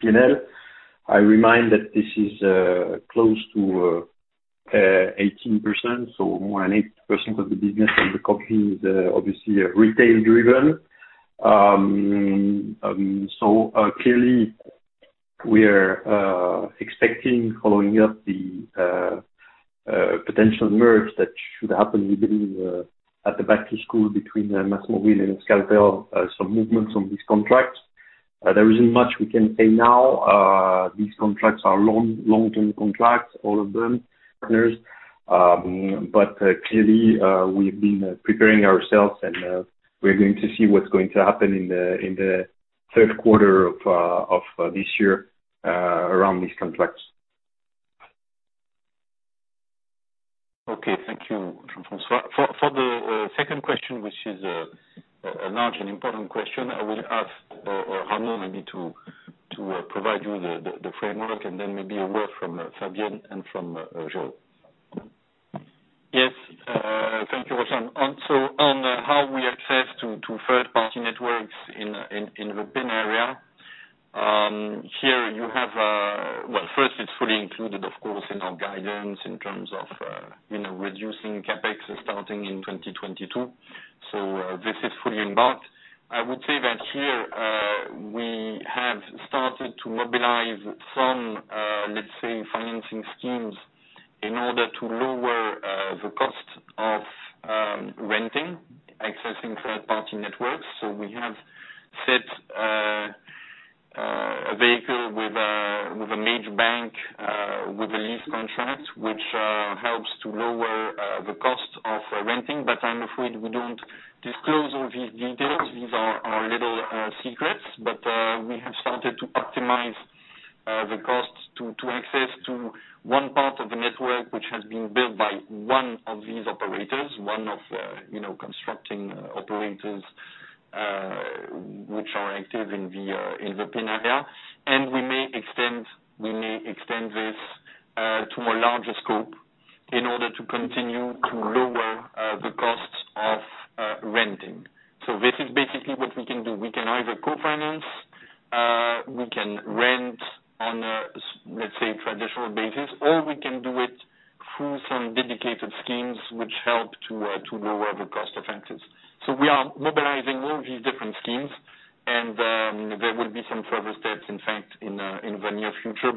[SPEAKER 8] P&L, I remind that this is close to 18%, so more than 8% of the business of the company is obviously retail-driven. We're expecting, following up the potential merger that should happen within at the between MásMóvil and Euskaltel, some movements on this contract. There isn't much we can say now. These contracts are long-term contracts, all of them, partners. We've been preparing ourselves, and we're going to see what's going to happen in the third quarter of this year around these contracts.
[SPEAKER 2] Okay. Thank you, Jean-François. For the second question, which is a large and important question, I will ask Ramon maybe to provide you the framework, then maybe a word from Fabienne and from Jérôme.
[SPEAKER 3] Yes. Thank you, Roshan. On how we access to third-party networks in the PIN area. First, it's fully included, of course, in our guidance in terms of reducing CapEx starting in 2022. This is fully embarked. I would say that here, we have started to mobilize some, let's say, financing schemes in order to lower the cost of renting, accessing third-party networks. We have set a vehicle with a major bank with a lease contract, which helps to lower the cost of renting. I'm afraid we don't disclose all these details. These are our little secrets, but we have started to optimize the cost to access to one part of the network, which has been built by one of these operators, one of the constructing operators which are active in the PIN area. We may extend this to a larger scope in order to continue to lower the cost of renting. This is basically what we can do. We can either co-finance, we can rent on a, let's say, traditional basis, or we can do it through some dedicated schemes which help to lower the cost of access. We are mobilizing all these different schemes, and there will be some further steps, in fact, in the near future.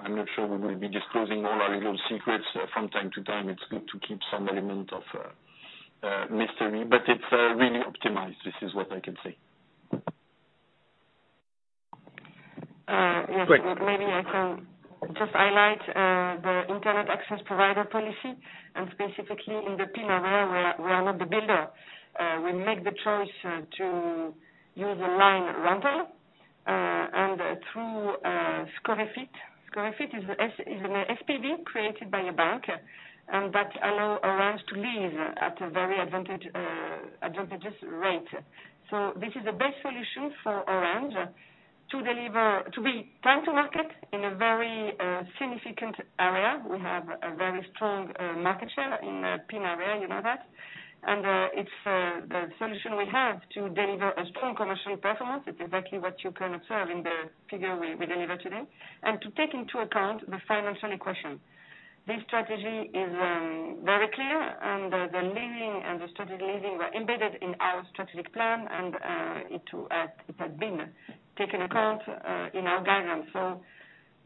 [SPEAKER 3] I'm not sure we will be disclosing all our little secrets from time to time. It's good to keep some element of mystery. It's really optimized. This is what I can say.
[SPEAKER 9] Great.
[SPEAKER 6] Maybe I can just highlight the internet access provider policy, and specifically in the PIN area where we are not the builder. We make the choice to use a line rental and through Scorefit. Scorefit is an SPV created by a bank, and that allow Orange to lease at a very advantageous rate. This is the best solution for Orange to be time to market in a very significant area. We have a very strong market share in PIN area, you know that. It's the solution we have to deliver a strong commercial performance. It's exactly what you can observe in the figure we deliver today. To take into account the financial equation. This strategy is very clear, the leading and the strategic leading were embedded in our strategic plan, and it had been taken account in our guidance.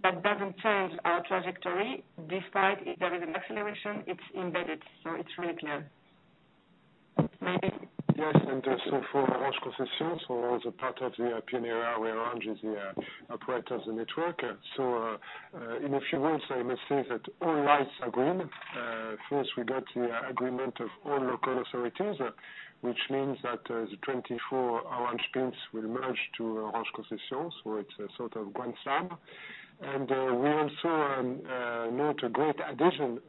[SPEAKER 6] That doesn't change our trajectory. Despite there is an acceleration, it's embedded, so it's really clear. Maybe.
[SPEAKER 5] Yes. For Orange Concessions or the part of the PIN area where Orange is the operator of the network. In a few words, I must say that all lights are green. First, we got the agreement of all local authorities, which means that the 24 Orange PINS will merge to Orange Concessions. It's a sort of one sub. We also note a great addition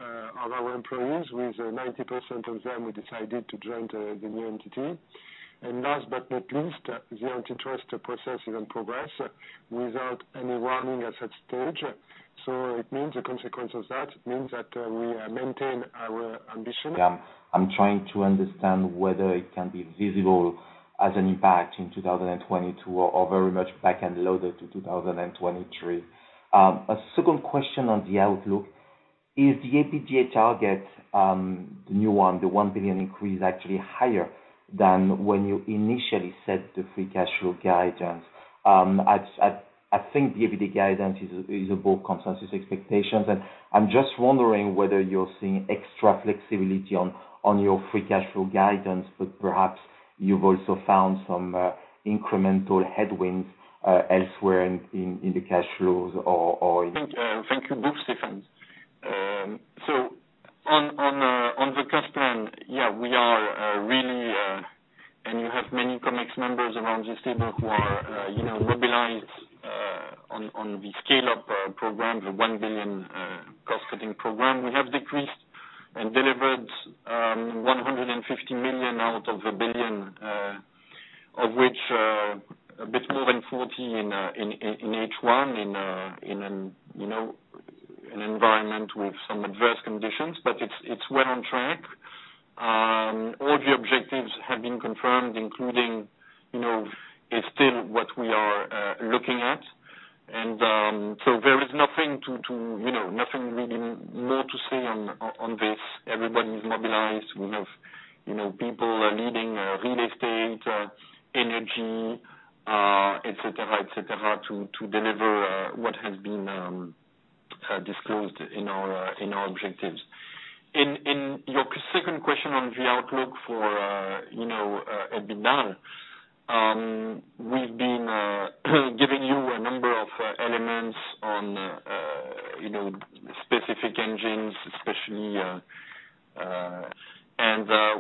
[SPEAKER 5] of our employees with 90% of them who decided to join the new entity. Last but not least, the antitrust process is in progress without any warning at that stage. It means the consequence of that means that we maintain our ambition.
[SPEAKER 10] I'm trying to understand whether it can be visible as an impact in 2022 or very much back-end loaded to 2023. A second question on the outlook, is the EBITDA target, the new one, the 1 billion increase, actually higher than when you initially set the free cash flow guidance? I'm just wondering whether you're seeing extra flexibility on your free cash flow guidance. Perhaps you've also found some incremental headwinds elsewhere in the cash flows or.
[SPEAKER 3] Thank you. On the cost plan, we are around this table who are mobilized on the Scale-up Program, the 1 billion cost-cutting program. We have decreased and delivered 150 million out of 1 billion, of which a bit more than 40 in H1 in an environment with some adverse conditions. It is well on track. All the objectives have been confirmed, including, it is still what we are looking at. There is nothing really more to say on this. Everybody is mobilized. We have people leading real estate, energy, et cetera, to deliver what has been disclosed in our objectives. In your second question on the outlook for EBITDA. We have been giving you a number of elements on specific engines.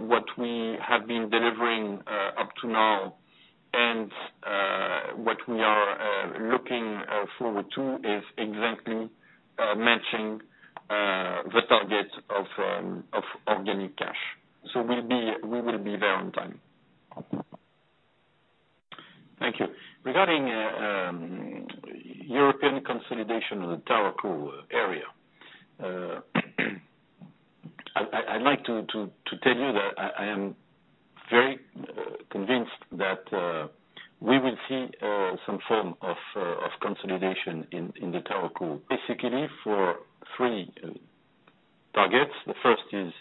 [SPEAKER 3] What we have been delivering up to now, and what we are looking forward to is exactly matching the target of organic cash. We will be there on time.
[SPEAKER 2] Thank you. Regarding European consolidation of the TowerCo area. I'd like to tell you that I am very convinced that we will see some form of consolidation in the TowerCo, basically for three targets. The first is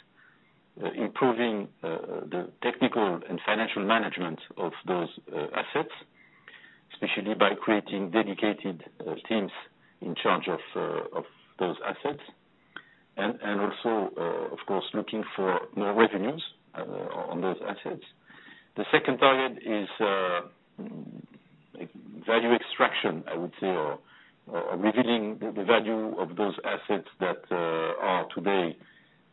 [SPEAKER 2] improving the technical and financial management of those assets, especially by creating dedicated teams in charge of those assets. Also, of course, looking for more revenues on those assets. The second target is value extraction, I would say, or revealing the value of those assets that are today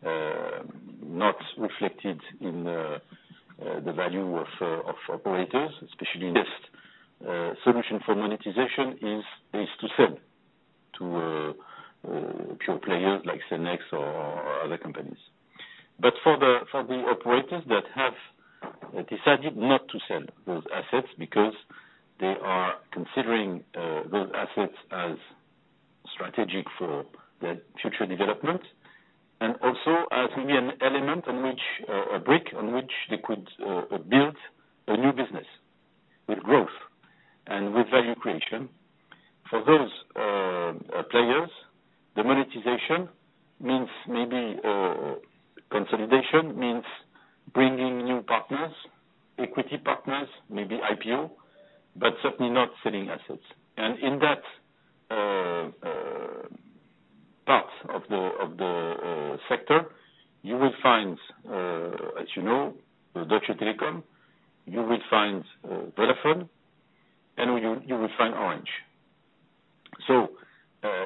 [SPEAKER 2] not reflected in the value of operators, especially this solution for monetization is to sell to pure players like Cellnex or other companies. For the operators that have decided not to sell those assets because they are considering those assets as strategic for their future development, and also as maybe an element on which, a brick on which they could build a new business with growth and with value creation. For those players, the monetization means maybe consolidation, means bringing new partners, equity partners, maybe IPO, but certainly not selling assets. In that part of the sector, you will find, as you know, Deutsche Telekom, you will find Vodafone, and you will find Orange.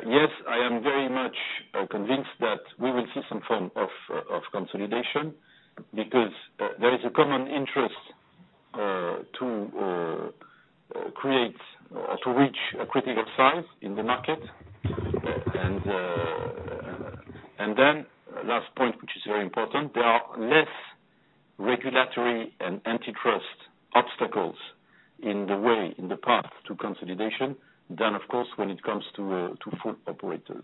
[SPEAKER 2] Yes, I am very much convinced that we will see some form of consolidation because there is a common interest to reach a critical size in the market. Last point, which is very important, there are less regulatory and antitrust obstacles in the way, in the path to consolidation than, of course, when it comes to full operators.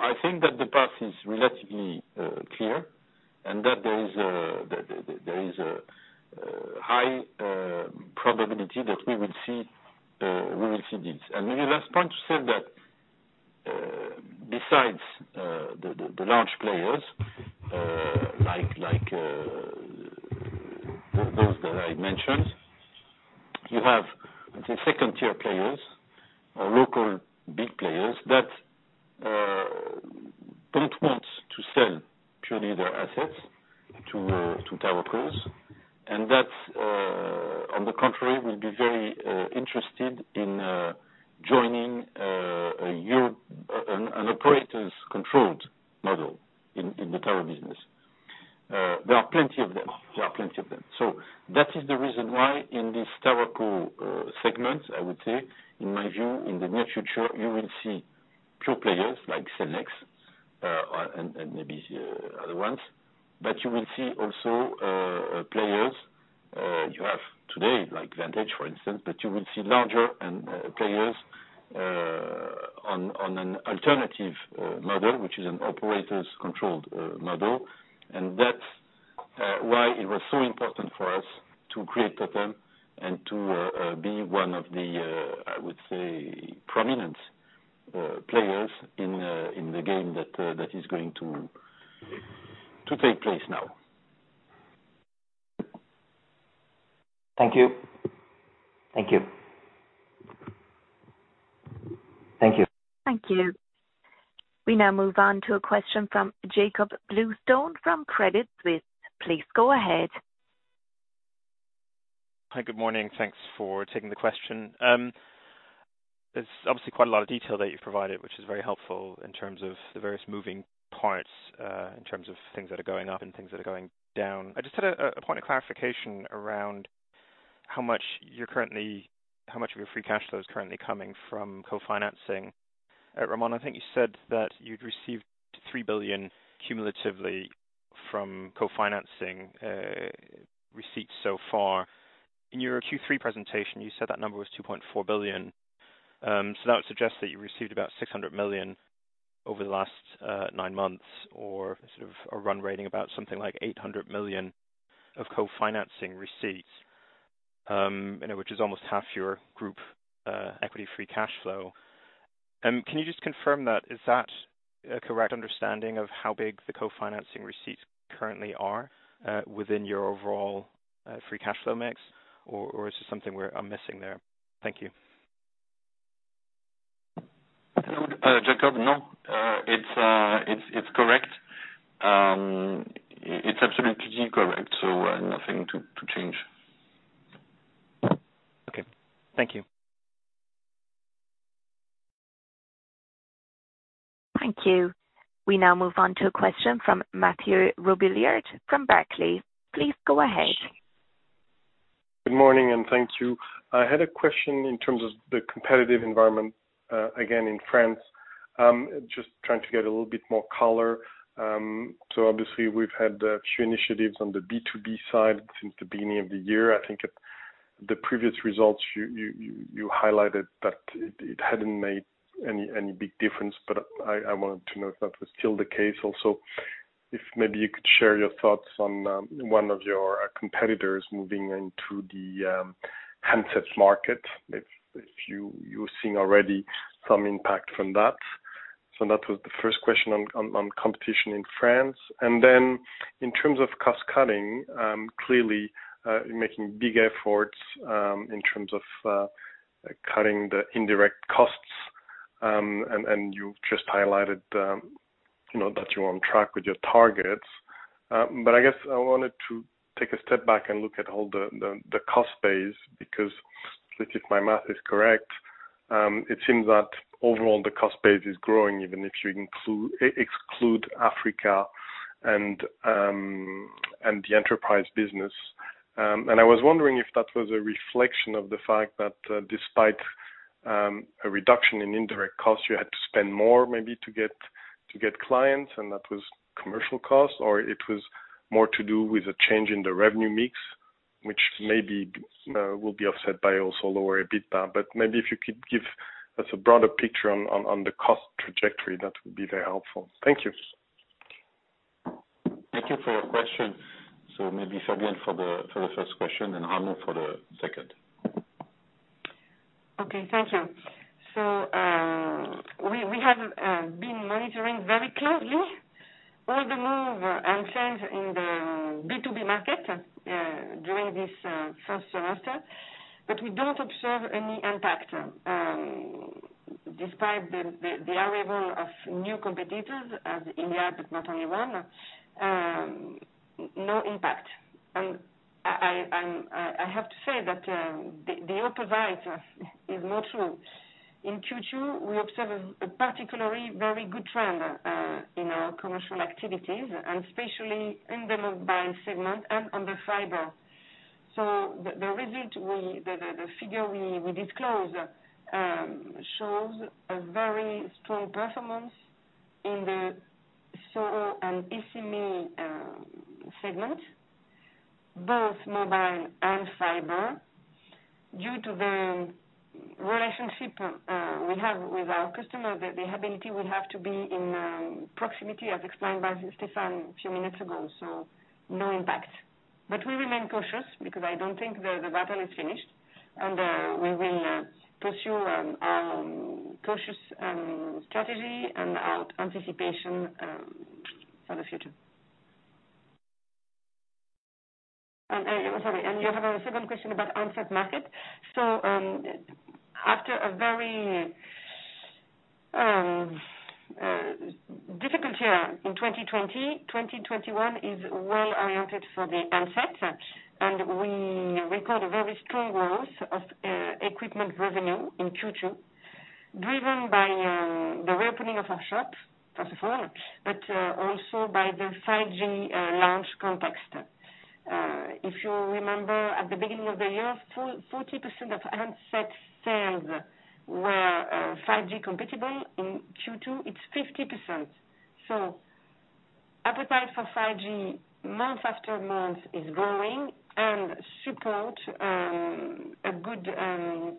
[SPEAKER 2] I think that the path is relatively clear and that there is a high probability that we will see deals. Maybe last point to say that, besides the large players like those that I mentioned, you have the second-tier players or local big players that don't want to sell purely their assets to TowerCos. That, on the contrary, will be very interested in joining an operators-controlled model in the tower business. There are plenty of them. That is the reason why in this TowerCo segment, I would say, in my view, in the near future, you will see pure players like Cellnex, and maybe other ones. You will see also players you have today, like Vantage, for instance, but you will see larger players on an alternative model, which is an operators-controlled model. That's why it was so important for us to create TOTEM and to be one of the, I would say, prominent players in the game that is going to take place now.
[SPEAKER 10] Thank you.
[SPEAKER 3] Thank you.
[SPEAKER 10] Thank you.
[SPEAKER 1] Thank you. We now move on to a question from Jakob Bluestone from Credit Suisse. Please go ahead.
[SPEAKER 11] Hi, good morning. Thanks for taking the question. There's obviously quite a lot of detail that you've provided, which is very helpful in terms of the various moving parts, in terms of things that are going up and things that are going down. I just had a point of clarification around how much of your free cash flow is currently coming from co-financing. Ramon, I think you said that you'd received 3 billion cumulatively from co-financing receipts so far. In your Q3 presentation, you said that number was 2.4 billion. That would suggest that you received about 600 million over the last nine months or a run rating about something like 800 million of co-financing receipts, which is almost half your group equity free cash flow. Can you just confirm that, is that a correct understanding of how big the co-financing receipts currently are within your overall free cash flow mix? Is there something I'm missing there? Thank you.
[SPEAKER 2] Jakob. No. It's correct. It's absolutely correct. Nothing to change.
[SPEAKER 11] Okay. Thank you.
[SPEAKER 1] Thank you. We now move on to a question from Mathieu Robilliard from Barclays. Please go ahead.
[SPEAKER 12] Good morning, and thank you. I had a question in terms of the competitive environment, again, in France. Just trying to get a little bit more color. Obviously, we've had a few initiatives on the B2B side since the beginning of the year. I think at the previous results, you highlighted that it hadn't made any big difference, but I wanted to know if that was still the case. Also, if maybe you could share your thoughts on one of your competitors moving into the handsets market. If you're seeing already some impact from that. That was the first question on competition in France. Then in terms of cost-cutting, clearly, making big efforts in terms of cutting the indirect costs. You've just highlighted that you're on track with your targets. I guess I wanted to take a step back and look at all the cost base, because if my math is correct, it seems that overall the cost base is growing, even if you exclude Africa and the enterprise business. I was wondering if that was a reflection of the fact that, despite a reduction in indirect costs, you had to spend more maybe to get clients, and that was commercial cost, or it was more to do with a change in the revenue mix, which maybe will be offset by also lower EBITDA. Maybe if you could give us a broader picture on the cost trajectory, that would be very helpful. Thank you.
[SPEAKER 2] Thank you for your question. Maybe Fabienne for the first question, then Ramon for the second.
[SPEAKER 6] Okay. Thank you. We have been monitoring very closely all the move and change in the B2B market during this first semester, but we don't observe any impact. Despite the arrival of new competitors, as Iliad, but not only one, no impact. I have to say that the opposite is not true. In Q2, we observe a particularly very good trend in our commercial activities, and especially in the mobile segment and on the fiber. The result, the figure we disclose shows a very strong performance in the SO and SME segments, both mobile and fiber, due to the relationship we have with our customer, the ability we have to be in proximity, as explained by Stéphane a few minutes ago. No impact. We remain cautious because I don't think the battle is finished. We will pursue cautious strategy and anticipation for the future. Sorry, you have a second question about handset market. After a very difficult year in 2020, 2021 is well oriented for the handset, and we record a very strong growth of equipment revenue in Q2, driven by the reopening of our shop, first of all, but also by the 5G launch context. If you remember, at the beginning of the year, 40% of handset sales were 5G compatible. In Q2, it's 50%. Appetite for 5G month after month is growing and support a good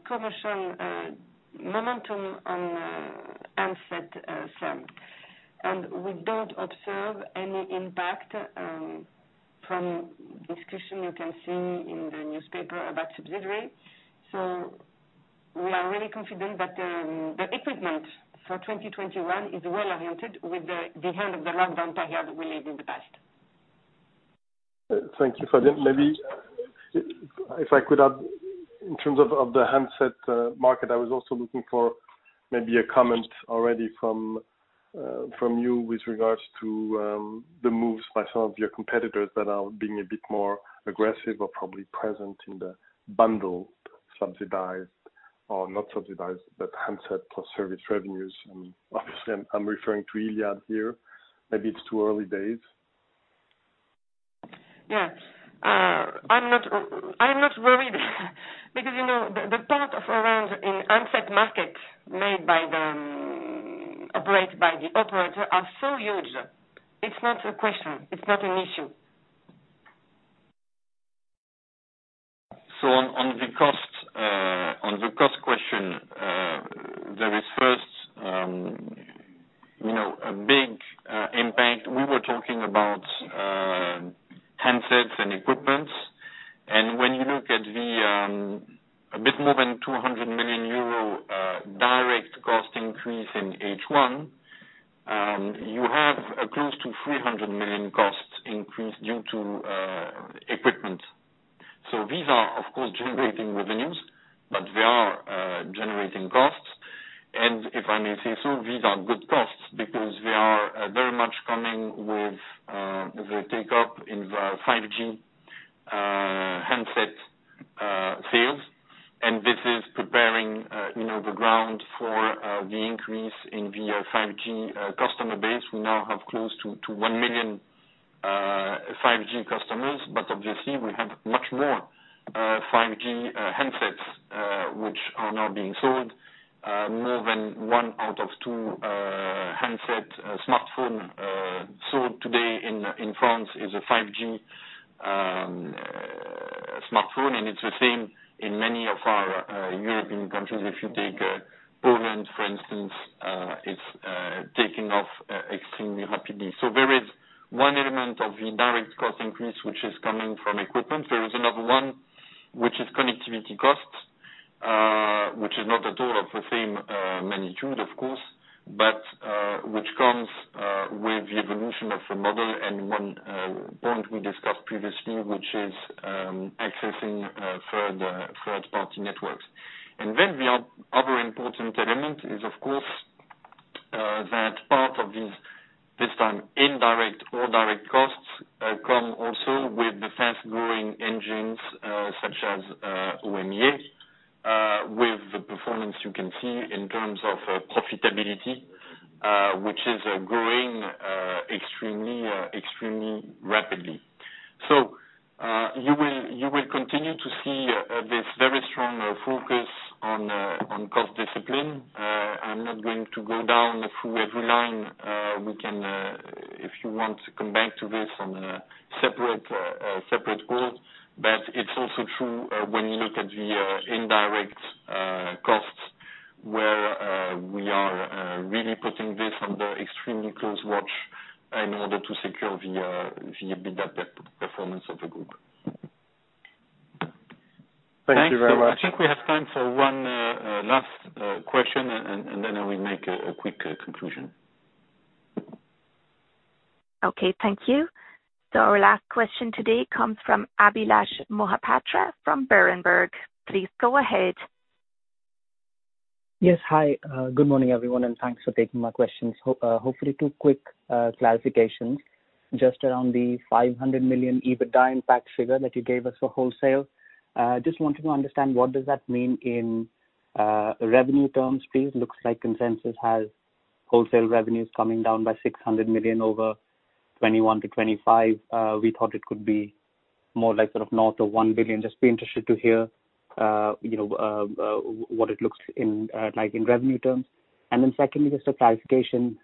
[SPEAKER 6] commercial momentum on handset firm. We don't observe any impact from discussion you can see in the newspaper about subsidies. We are really confident that the equipment for 2021 is well oriented with the end of the lockdown period we live in the past.
[SPEAKER 12] Thank you, Fabienne. Maybe if I could add in terms of the handset market, I was also looking for a comment already from you with regards to the moves by some of your competitors that are being a bit more aggressive or probably present in the bundle, subsidized or not subsidized, but handset plus service revenues. Obviously, I'm referring to Iliad here. Maybe it's too early days.
[SPEAKER 6] Yeah. I'm not worried because the part of Orange in handset market made by the operator are so huge. It's not a question, it's not an issue.
[SPEAKER 3] On the cost question, there is first a big impact. We were talking about handsets and equipment, when you look at a bit more than 200 million euro direct cost increase in H1, you have close to 300 million costs increased due to equipment. These are, of course, generating revenues, but they are generating costs. If I may say so, these are good costs because they are very much coming with the take-up in the 5G handset sales. This is preparing the ground for the increase in the 5G customer base. We now have close to one million 5G customers. Obviously we have much more 5G handsets, which are now being sold. More than one out of two handset smartphone sold today in France is a 5G smartphone. It's the same in many of our European countries. If you take Poland, for instance, it's taking off extremely rapidly. There is one element of the direct cost increase, which is coming from equipment. There is another one, which is connectivity costs, which is not at all of the same magnitude of course, but, which comes with the evolution of the model and one point we discussed previously, which is accessing third-party networks. The other important element is, of course, that part of this time indirect or direct costs, come also with the fast-growing engines, such as, MEA, with the performance you can see in terms of profitability, which is growing extremely rapidly. You will continue to see this very strong focus on cost discipline. I'm not going to go down through every line. We can, if you want to come back to this on a separate call. It's also true when you look at the indirect costs where we are really putting this under extremely close watch in order to secure the performance of the group.
[SPEAKER 12] Thank you very much.
[SPEAKER 2] I think we have time for one last question, and then I will make a quick conclusion.
[SPEAKER 1] Okay, thank you. Our last question today comes from Abhilash Mohapatra from Berenberg. Please go ahead.
[SPEAKER 13] Yes. Hi, good morning, everyone, and thanks for taking my questions. Hopefully two quick clarifications just around the 500 million EBITDA impact figure that you gave us for wholesale. Just wanted to understand what does that mean in revenue terms, please. Looks like consensus has wholesale revenues coming down by 600 million over 2021 to 2025. We thought it could be more like sort of north of 1 billion. Just be interested to hear what it looks like in revenue terms. Secondly, just a clarification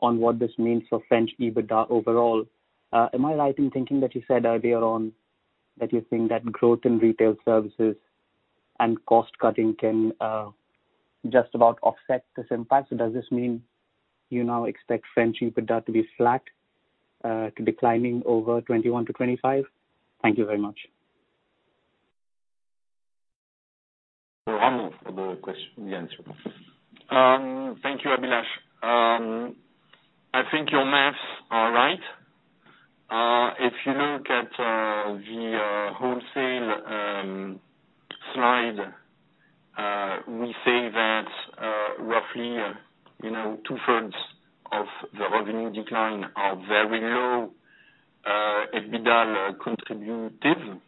[SPEAKER 13] on what this means for French EBITDA overall. Am I right in thinking that you said earlier on that you're seeing that growth in retail services and cost cutting can just about offset this impact? Does this mean you now expect French EBITDA to be flat, to be declining over 2021-2025? Thank you very much.
[SPEAKER 2] For Ramon Fernandez for the answer.
[SPEAKER 3] Thank you, Abhilash. I think your maths are right. If you look at the wholesale slide, we say that roughly two-thirds of the revenue decline are very low EBITDA contributive.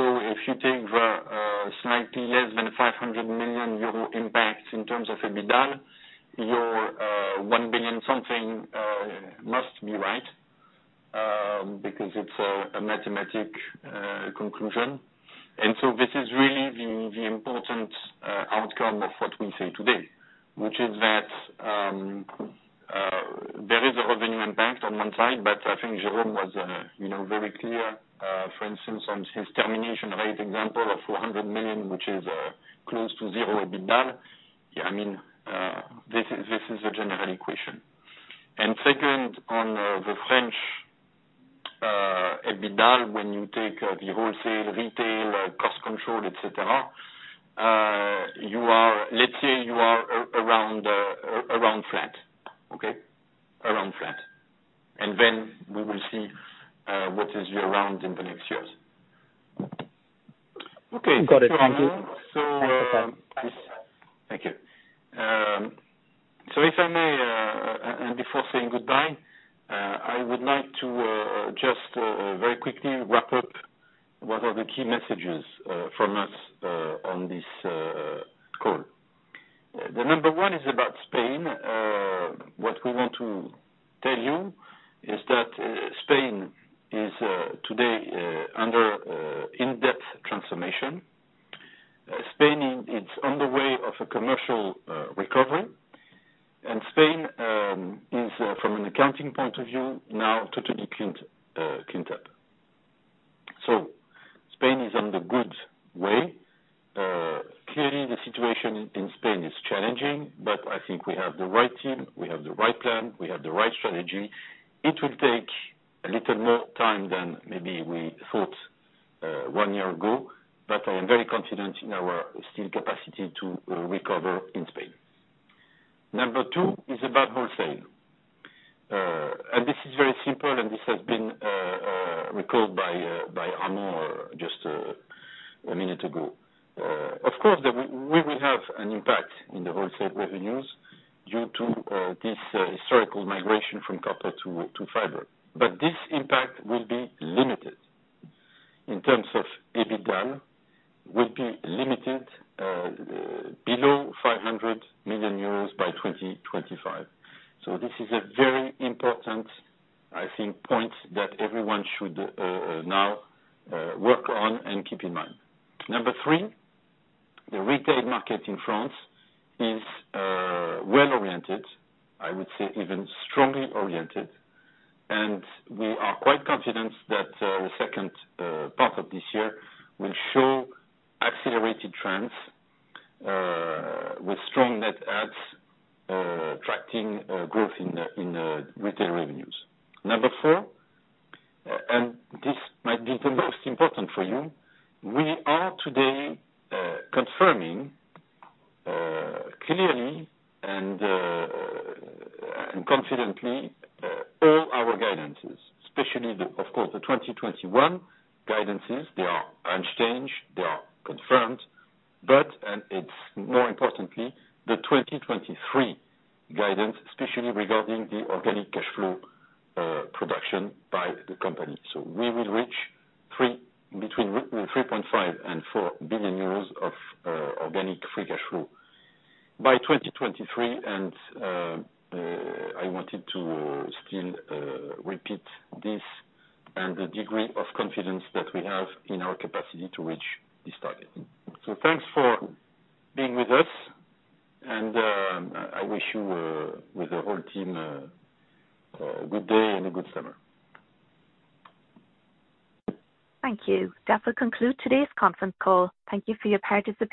[SPEAKER 3] If you take the slightly less than 500 million euro impact in terms of EBITDA, your 1 billion something must be right, because it's a mathematic conclusion. This is really the important outcome of what we say today, which is that there is a revenue impact on one side, but I think Jérôme was very clear, for instance, on his termination rate example of 100 million, which is close to zero EBITDA. This is the general equation. Second, on the French EBITDA, when you take the wholesale, retail, cost control, et cetera, let's say you are around flat Around in the next years.
[SPEAKER 13] Okay. Got it. Thank you.
[SPEAKER 2] So-
[SPEAKER 13] Thanks, Ramon Fernandez.
[SPEAKER 2] Thank you. If I may, and before saying goodbye, I would like to just very quickly wrap up what are the key messages from us on this call. The number one is about Spain. What we want to tell you is that Spain is today under in-depth transformation. Spain, it's on the way of a commercial recovery, and Spain is, from an accounting point of view, now totally cleaned up. Spain is on the good way. Clearly, the situation in Spain is challenging, but I think we have the right team, we have the right plan, we have the right strategy. It will take a little more time than maybe we thought one year ago, but I am very confident in our still capacity to recover in Spain. Number two is about wholesale. This is very simple, and this has been recalled by Ramon just one minute ago. Of course, we will have an impact on the wholesale revenues due to this historical migration from copper to fiber. This impact will be limited. In terms of EBITDA, will be limited below 500 million euros by 2025. This is a very important, I think, point that everyone should now work on and keep in mind. Number three, the retail market in France is well-oriented. I would say even strongly oriented. We are quite confident that the second part of this year will show accelerated trends, with strong net adds, attracting growth in retail revenues. Number four, this might be the most important for you. We are today confirming clearly and confidently all our guidances, especially, of course, the 2021 guidances. They are unchanged, they are confirmed. It's more importantly, the 2023 guidance, especially regarding the organic cash flow production by the company. We will reach between 3.5 billion and 4 billion euros of organic free cash flow by 2023, and I wanted to still repeat this and the degree of confidence that we have in our capacity to reach this target. Thanks for being with us, and I wish you, with the whole team, a good day and a good summer.
[SPEAKER 1] Thank you. That will conclude today's conference call. Thank you for your participation